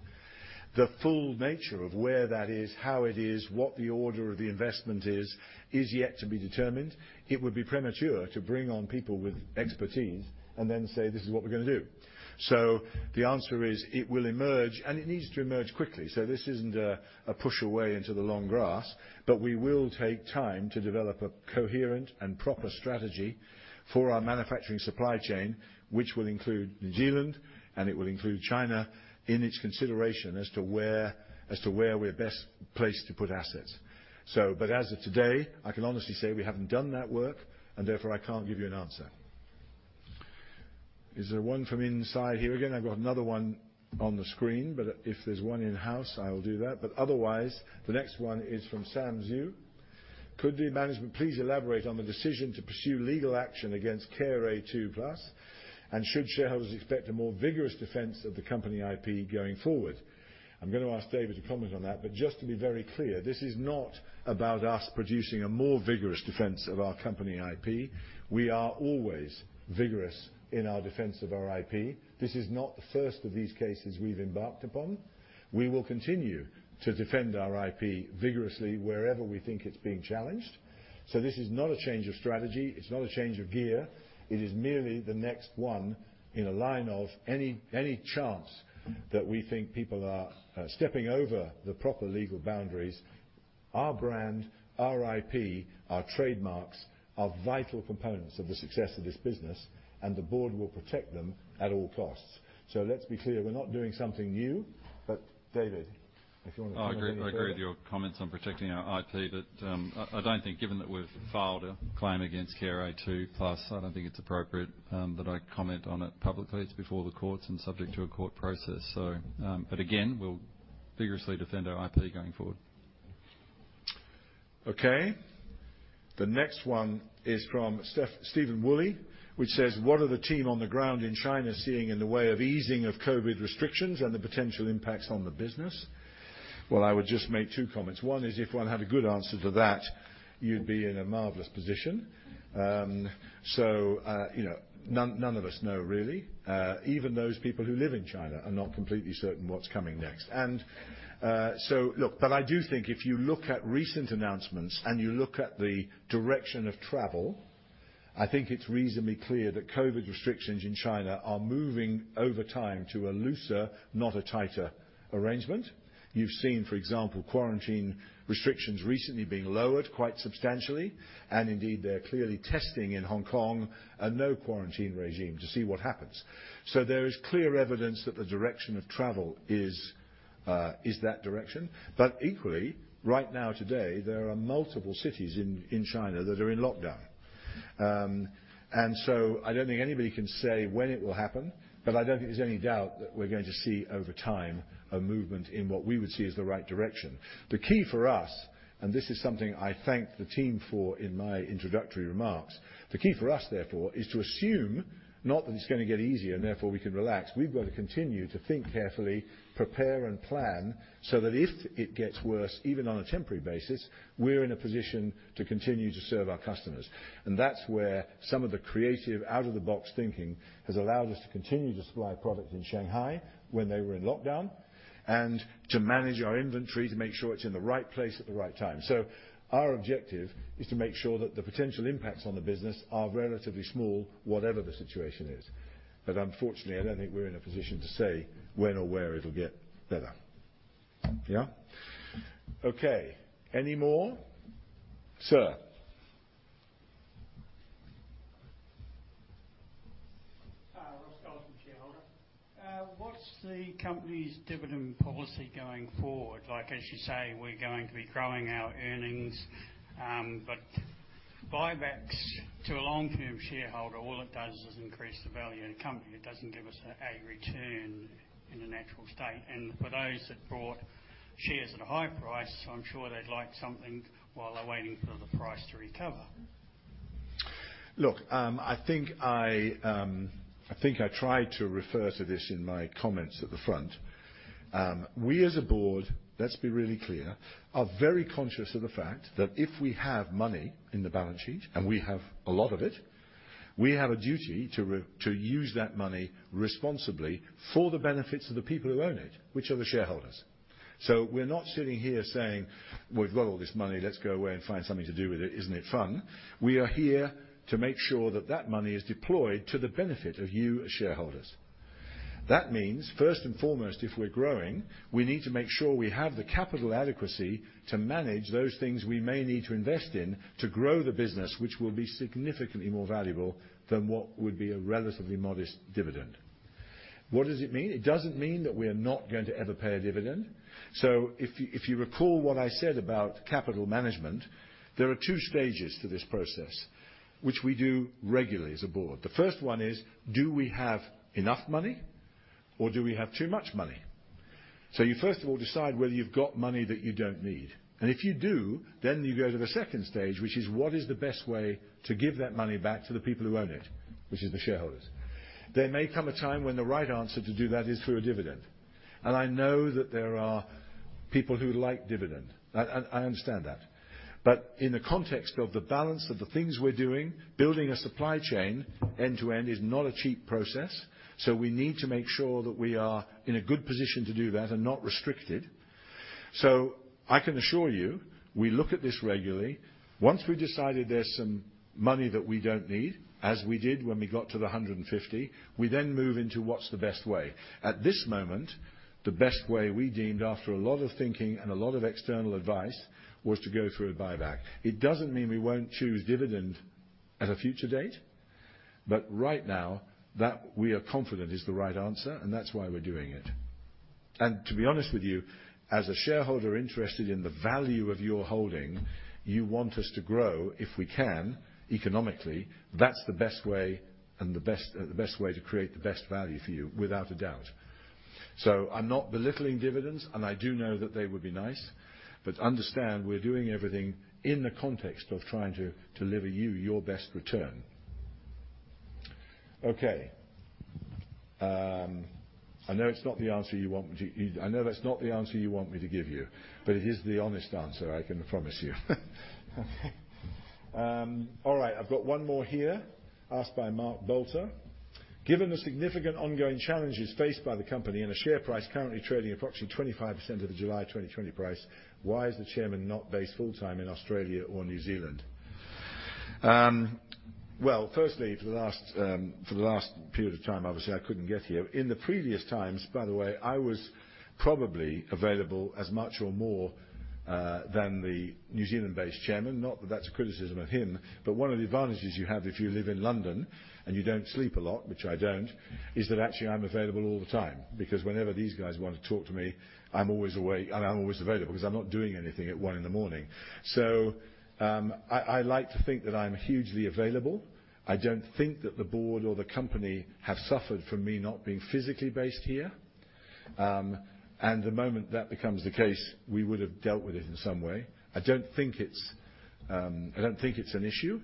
The full nature of where that is, how it is, what the order of the investment is yet to be determined. It would be premature to bring on people with expertise and then say, this is what we're gonna do. The answer is it will emerge, and it needs to emerge quickly. This isn't a push away into the long grass, but we will take time to develop a coherent and proper strategy for our manufacturing supply chain, which will include New Zealand, and it will include China in its consideration as to where we're best placed to put assets. As of today, I can honestly say we haven't done that work and therefore I can't give you an answer. Is there one from inside here? Again, I've got another one on the screen, but if there's one in-house, I will do that. Otherwise, the next one is from Sam Zhu. Could the management please elaborate on the decision to pursue legal action against Care A2+, and should shareholders expect a more vigorous defense of the company IP going forward? I'm gonna ask David to comment on that. Just to be very clear, this is not about us producing a more vigorous defense of our company IP. We are always vigorous in our defense of our IP. This is not the first of these cases we've embarked upon. We will continue to defend our IP vigorously wherever we think it's being challenged. This is not a change of strategy. It's not a change of gear. It is merely the next one in a line of any cases that we think people are stepping over the proper legal boundaries. Our brand, our IP, our trademarks, are vital components of the success of this business, and the Board will protect them at all costs. Let's be clear, we're not doing something new. David, if you want to comment on that. I agree with your comments on protecting our IP, but I don't think, given that we've filed a claim against Care A2+, it's appropriate that I comment on it publicly. It's before the courts and subject to a court process. Again, we'll vigorously defend our IP going forward. Okay. The next one is from Steven Woolley, which says, "What are the team on the ground in China seeing in the way of easing of COVID restrictions and the potential impacts on the business?" Well, I would just make two comments. One is, if one had a good answer to that, you'd be in a marvelous position. You know, none of us know really. Even those people who live in China are not completely certain what's coming next. Look, I do think if you look at recent announcements and you look at the direction of travel, I think it's reasonably clear that COVID restrictions in China are moving over time to a looser, not a tighter arrangement. You've seen, for example, quarantine restrictions recently being lowered quite substantially, and indeed, they're clearly testing in Hong Kong a no-quarantine regime to see what happens. There is clear evidence that the direction of travel is that direction. Equally, right now today, there are multiple cities in China that are in lockdown. I don't think anybody can say when it will happen, but I don't think there's any doubt that we're going to see over time a movement in what we would see as the right direction. The key for us, and this is something I thank the team for in my introductory remarks, the key for us therefore is to assume not that it's gonna get easier and therefore we can relax. We've got to continue to think carefully, prepare and plan, so that if it gets worse, even on a temporary basis, we're in a position to continue to serve our customers. That's where some of the creative out-of-the-box thinking has allowed us to continue to supply product in Shanghai when they were in lockdown, and to manage our inventory to make sure it's in the right place at the right time. Our objective is to make sure that the potential impacts on the business are relatively small, whatever the situation is. Unfortunately, I don't think we're in a position to say when or where it'll get better. Yeah? Okay. Any more? Sir. Hi. Ross Colton, Shareholder. What's the company's dividend policy going forward? Like as you say, we're going to be growing our earnings. Buybacks to a long-term shareholder, all it does is increase the value of the company. It doesn't give us a return in the natural state. For those that bought shares at a high price, I'm sure they'd like something while they're waiting for the price to recover. Look, um, I think I, um, I think I tried to refer to this in my comments at the front. Um, we as a Board, let's be really clear, are very conscious of the fact that if we have money in the balance sheet, and we have a lot of it, we have a duty to re, to use that money responsibly for the benefits of the people who own it, which are the shareholders. So we're not sitting here saying, "We've got all this money, let's go away and find something to do with it. Isn't it fun?" We are here to make sure that that money is deployed to the benefit of you as shareholders. That means, first and foremost, if we're growing, we need to make sure we have the capital adequacy to manage those things we may need to invest in to grow the business, which will be significantly more valuable than what would be a relatively modest dividend. What does it mean? It doesn't mean that we're not going to ever pay a dividend. If you recall what I said about capital management, there are two stages to this process, which we do regularly as a Board. The first one is, do we have enough money or do we have too much money? You first of all decide whether you've got money that you don't need. And if you do, then you go to the second stage, which is what is the best way to give that money back to the people who own it, which is the shareholders. There may come a time when the right answer to do that is through a dividend. And I know that there are people who like dividend. I understand that. But in the context of the balance of the things we're doing, building a supply chain end to end is not a cheap process. So we need to make sure that we are in a good position to do that and not restricted. So I can assure you we look at this regularly. Once we've decided there's some money that we don't need, as we did when we got to the 150 million, we then move into what's the best way. At this moment, the best way we deemed after a lot of thinking and a lot of external advice was to go through a buyback. It doesn't mean we won't choose dividend at a future date, but right now, that we are confident is the right answer, and that's why we're doing it. To be honest with you, as a shareholder interested in the value of your holding, you want us to grow if we can, economically. That's the best way and the best way to create the best value for you, without a doubt. I'm not belittling dividends, and I do know that they would be nice, but understand we're doing everything in the context of trying to deliver you your best return. Okay. I know that's not the answer you want me to give you, but it is the honest answer, I can promise you. All right. I've got one more here asked by Mark Bolter. Given the significant ongoing challenges faced by the company and a share price currently trading approximately 25% of the July 2020 price, why is the Chairman not based full-time in Australia or New Zealand? Well, firstly, for the last period of time, obviously I couldn't get here. In the previous times, by the way, I was probably available as much or more than the New Zealand-based Chairman. Not that that's a criticism of him, but one of the advantages you have if you live in London and you don't sleep a lot, which I don't, is that actually I'm available all the time, because whenever these guys want to talk to me, I'm always awake and I'm always available 'cause I'm not doing anything at 1:00 A.M. I like to think that I'm hugely available. I don't think that the Board or the company have suffered from me not being physically based here. The moment that becomes the case, we would have dealt with it in some way. I don't think it's an issue.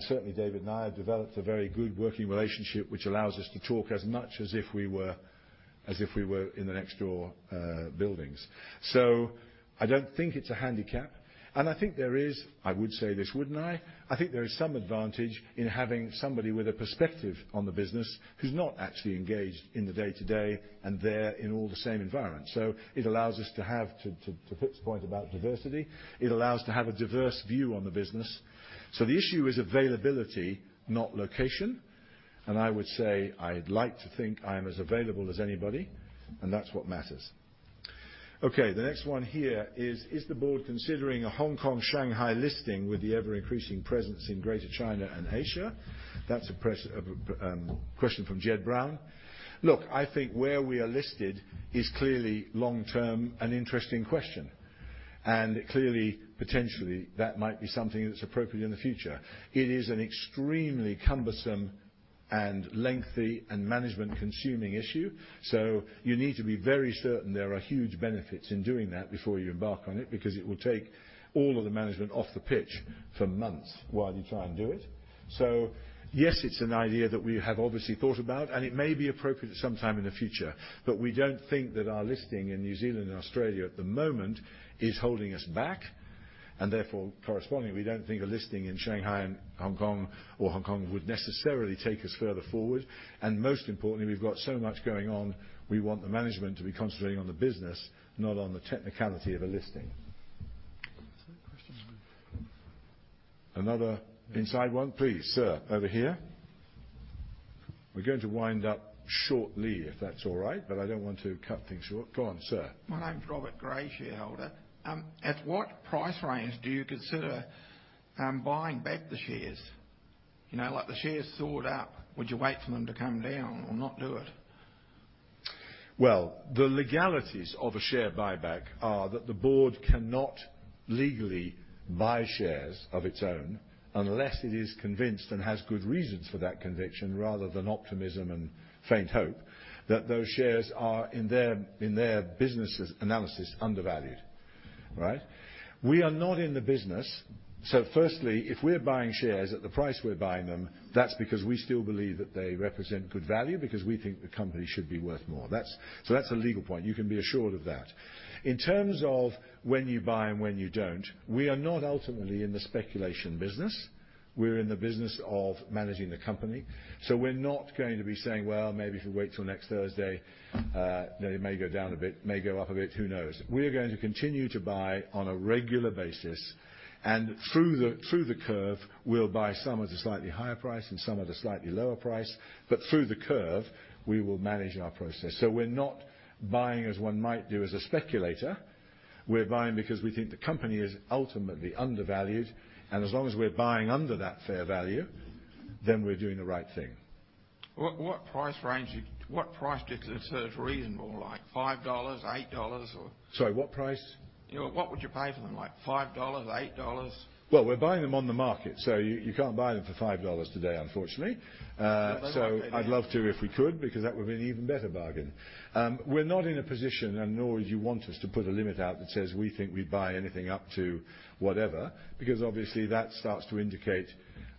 Certainly David and I have developed a very good working relationship which allows us to talk as much as if we were in the next-door buildings. I don't think it's a handicap. I would say this, wouldn't I? I think there is some advantage in having somebody with a perspective on the business who's not actually engaged in the day-to-day and there in all the same environments. It allows us to fit the point about diversity. It allows to have a diverse view on the business. The issue is availability, not location, and I would say I'd like to think I'm as available as anybody, and that's what matters. Okay. The next one here is, "Is the Board considering a Hong Kong-Shanghai listing with the ever-increasing presence in Greater China and Asia?" That's a question from Jed Brown. Look, I think where we are listed is clearly long-term an interesting question. Clearly, potentially, that might be something that's appropriate in the future. It is an extremely cumbersome and lengthy and management-consuming issue, so you need to be very certain there are huge benefits in doing that before you embark on it, because it will take all of the management off the pitch for months while you try and do it. Yes, it's an idea that we have obviously thought about, and it may be appropriate at some time in the future. We don't think that our listing in New Zealand and Australia at the moment is holding us back and therefore, corresponding, we don't think a listing in Shanghai and Hong Kong or Hong Kong would necessarily take us further forward. Most importantly, we've got so much going on, we want the management to be concentrating on the business, not on the technicality of a listing. Is there a question at the? Another inside one. Please, sir, over here. We're going to wind up shortly, if that's all right, but I don't want to cut things short. Go on, sir. My name is Robert Gray, Shareholder. At what price range do you consider buying back the shares? You know, like the shares soared up. Would you wait for them to come down or not do it? Well, the legalities of a share buyback are that the Board cannot legally buy shares of its own unless it is convinced and has good reasons for that conviction, rather than optimism and faint hope, that those shares are, in their business analysis, undervalued. All right? Firstly, if we're buying shares at the price we're buying them, that's because we still believe that they represent good value because we think the company should be worth more. That's a legal point. You can be assured of that. In terms of when you buy and when you don't, we are not ultimately in the speculation business. We're in the business of managing the company. We're not going to be saying, "Well, maybe if we wait till next Thursday, they may go down a bit, may go up a bit. Who knows?" We are going to continue to buy on a regular basis, and through the curve, we'll buy some at a slightly higher price and some at a slightly lower price. Through the curve, we will manage our process. We're not buying as one might do as a speculator. We're buying because we think the company is ultimately undervalued, and as long as we're buying under that fair value, then we're doing the right thing. What price do you consider is reasonable? Like 5 dollars, 8 dollars? Sorry, what price? You know, what would you pay for them? Like 5 dollars, 8 dollars? Well, we're buying them on the market, so you can't buy them for 5 dollars today, unfortunately. They might get there. I'd love to if we could, because that would be an even better bargain. We're not in a position and nor would you want us to put a limit out that says we think we'd buy anything up to whatever because obviously that starts to indicate,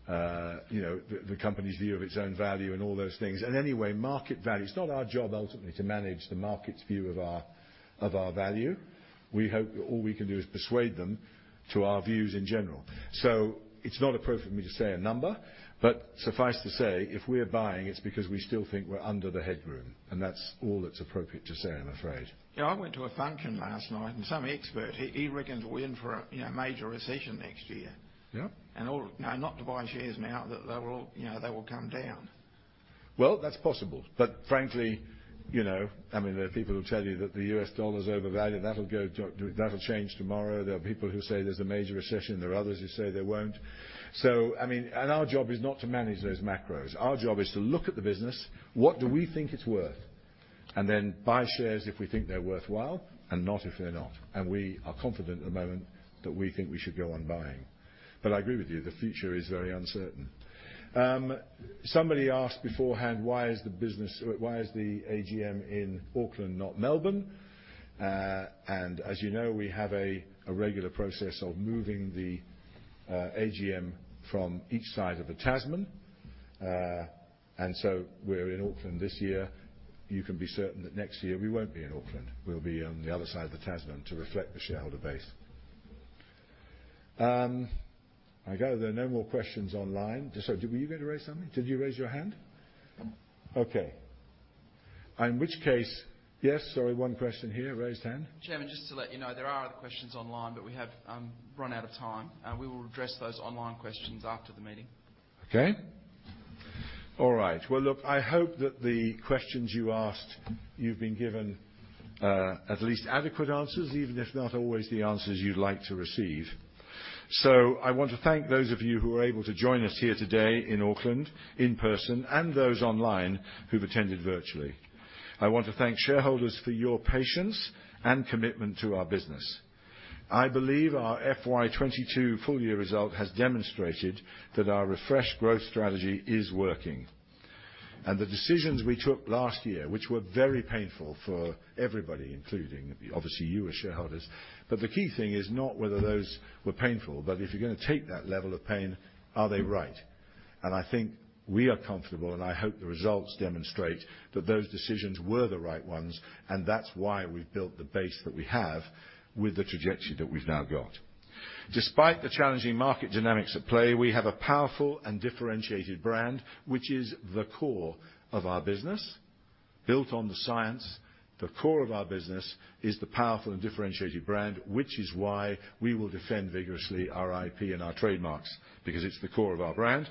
you know, the company's view of its own value and all those things. Anyway, market value, it's not our job ultimately to manage the market's view of our value. All we can do is persuade them to our views in general. It's not appropriate for me to say a number, but suffice to say, if we're buying, it's because we still think we're under the headroom, and that's all that's appropriate to say, I'm afraid. You know, I went to a function last night and some expert, he reckons we're in for a, you know, major recession next year. Yeah. You know, not to buy shares now, that, you know, they will come down. Well, that's possible but frankly, you know, I mean, there are people who tell you that the U.S. dollar is overvalued, that'll change tomorrow. There are people who say there's a major recession, there are others who say there won't. I mean, our job is not to manage those macros. Our job is to look at the business, what do we think it's worth? Buy shares if we think they're worthwhile, and not if they're not. We are confident at the moment that we think we should go on buying. I agree with you, the future is very uncertain. Somebody asked beforehand, why is the AGM in Auckland not Melbourne? As you know, we have a regular process of moving the AGM from each side of the Tasman. We're in Auckland this year. You can be certain that next year we won't be in Auckland. We'll be on the other side of the Tasman to reflect the shareholder base. I gather there are no more questions online. Were you gonna raise something? Did you raise your hand? Okay. In which case, yes, sorry, one question here. Raised hand. Chairman, just to let you know, there are other questions online, but we have run out of time. We will address those online questions after the meeting. Okay. All right. Well, look, I hope that the questions you asked, you've been given at least adequate answers, even if not always the answers you'd like to receive. I want to thank those of you who are able to join us here today in Auckland, in person, and those online who've attended virtually. I want to thank shareholders for your patience and commitment to our business. I believe our FY 2022 full year result has demonstrated that our refreshed growth strategy is working. The decisions we took last year, which were very painful for everybody, including obviously you as shareholders, but the key thing is not whether those were painful, but if you're gonna take that level of pain, are they right? We are comfortable, and I hope the results demonstrate that those decisions were the right ones, and that's why we've built the base that we have with the trajectory that we've now got. Despite the challenging market dynamics at play, we have a powerful and differentiated brand, which is the core of our business, built on the science. The core of our business is the powerful and differentiated brand, which is why we will defend vigorously our I.P. and our trademarks, because it's the core of our brand,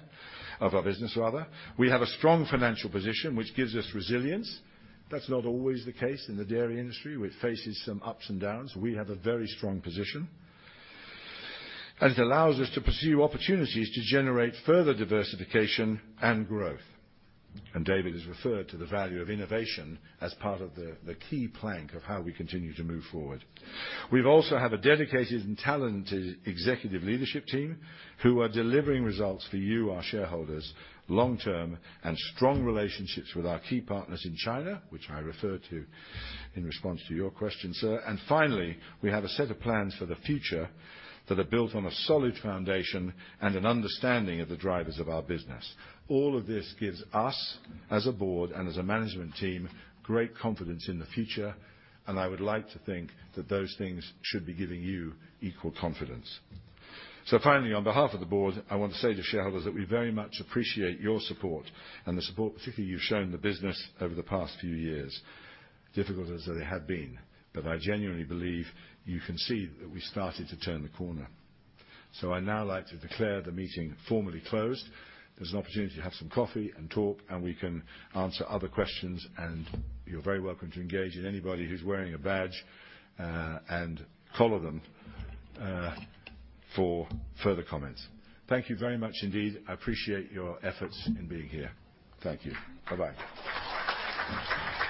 of our business rather. We have a strong financial position, which gives us resilience. That's not always the case in the dairy industry, which faces some ups and downs. We have a very strong position. It allows us to pursue opportunities to generate further diversification and growth. And David has referred to the value of innovation as part of the key plank of how we continue to move forward. We've also have a dedicated and talented executive leadership team who are delivering results for you, our shareholders, long-term, and strong relationships with our key partners in China, which I referred to in response to your question, sir. And finally, we have a set of plans for the future that are built on a solid foundation and an understanding of the drivers of our business. All of this gives us, as a Board and as a management team, great confidence in the future, and I would like to think that those things should be giving you equal confidence. So finally, on behalf of the Board, I want to say to shareholders that we very much appreciate your support and the support particularly you've shown the business over the past few years, difficult as they have been. But I genuinely believe you can see that we started to turn the corner. So I'd now like to declare the meeting formally closed. There's an opportunity to have some coffee and talk, and we can answer other questions, and you're very welcome to engage in anybody who's wearing a badge, uh, and collar them, uh, for further comments. Thank you very much indeed. I appreciate your efforts in being here. Thank you. Bye-bye.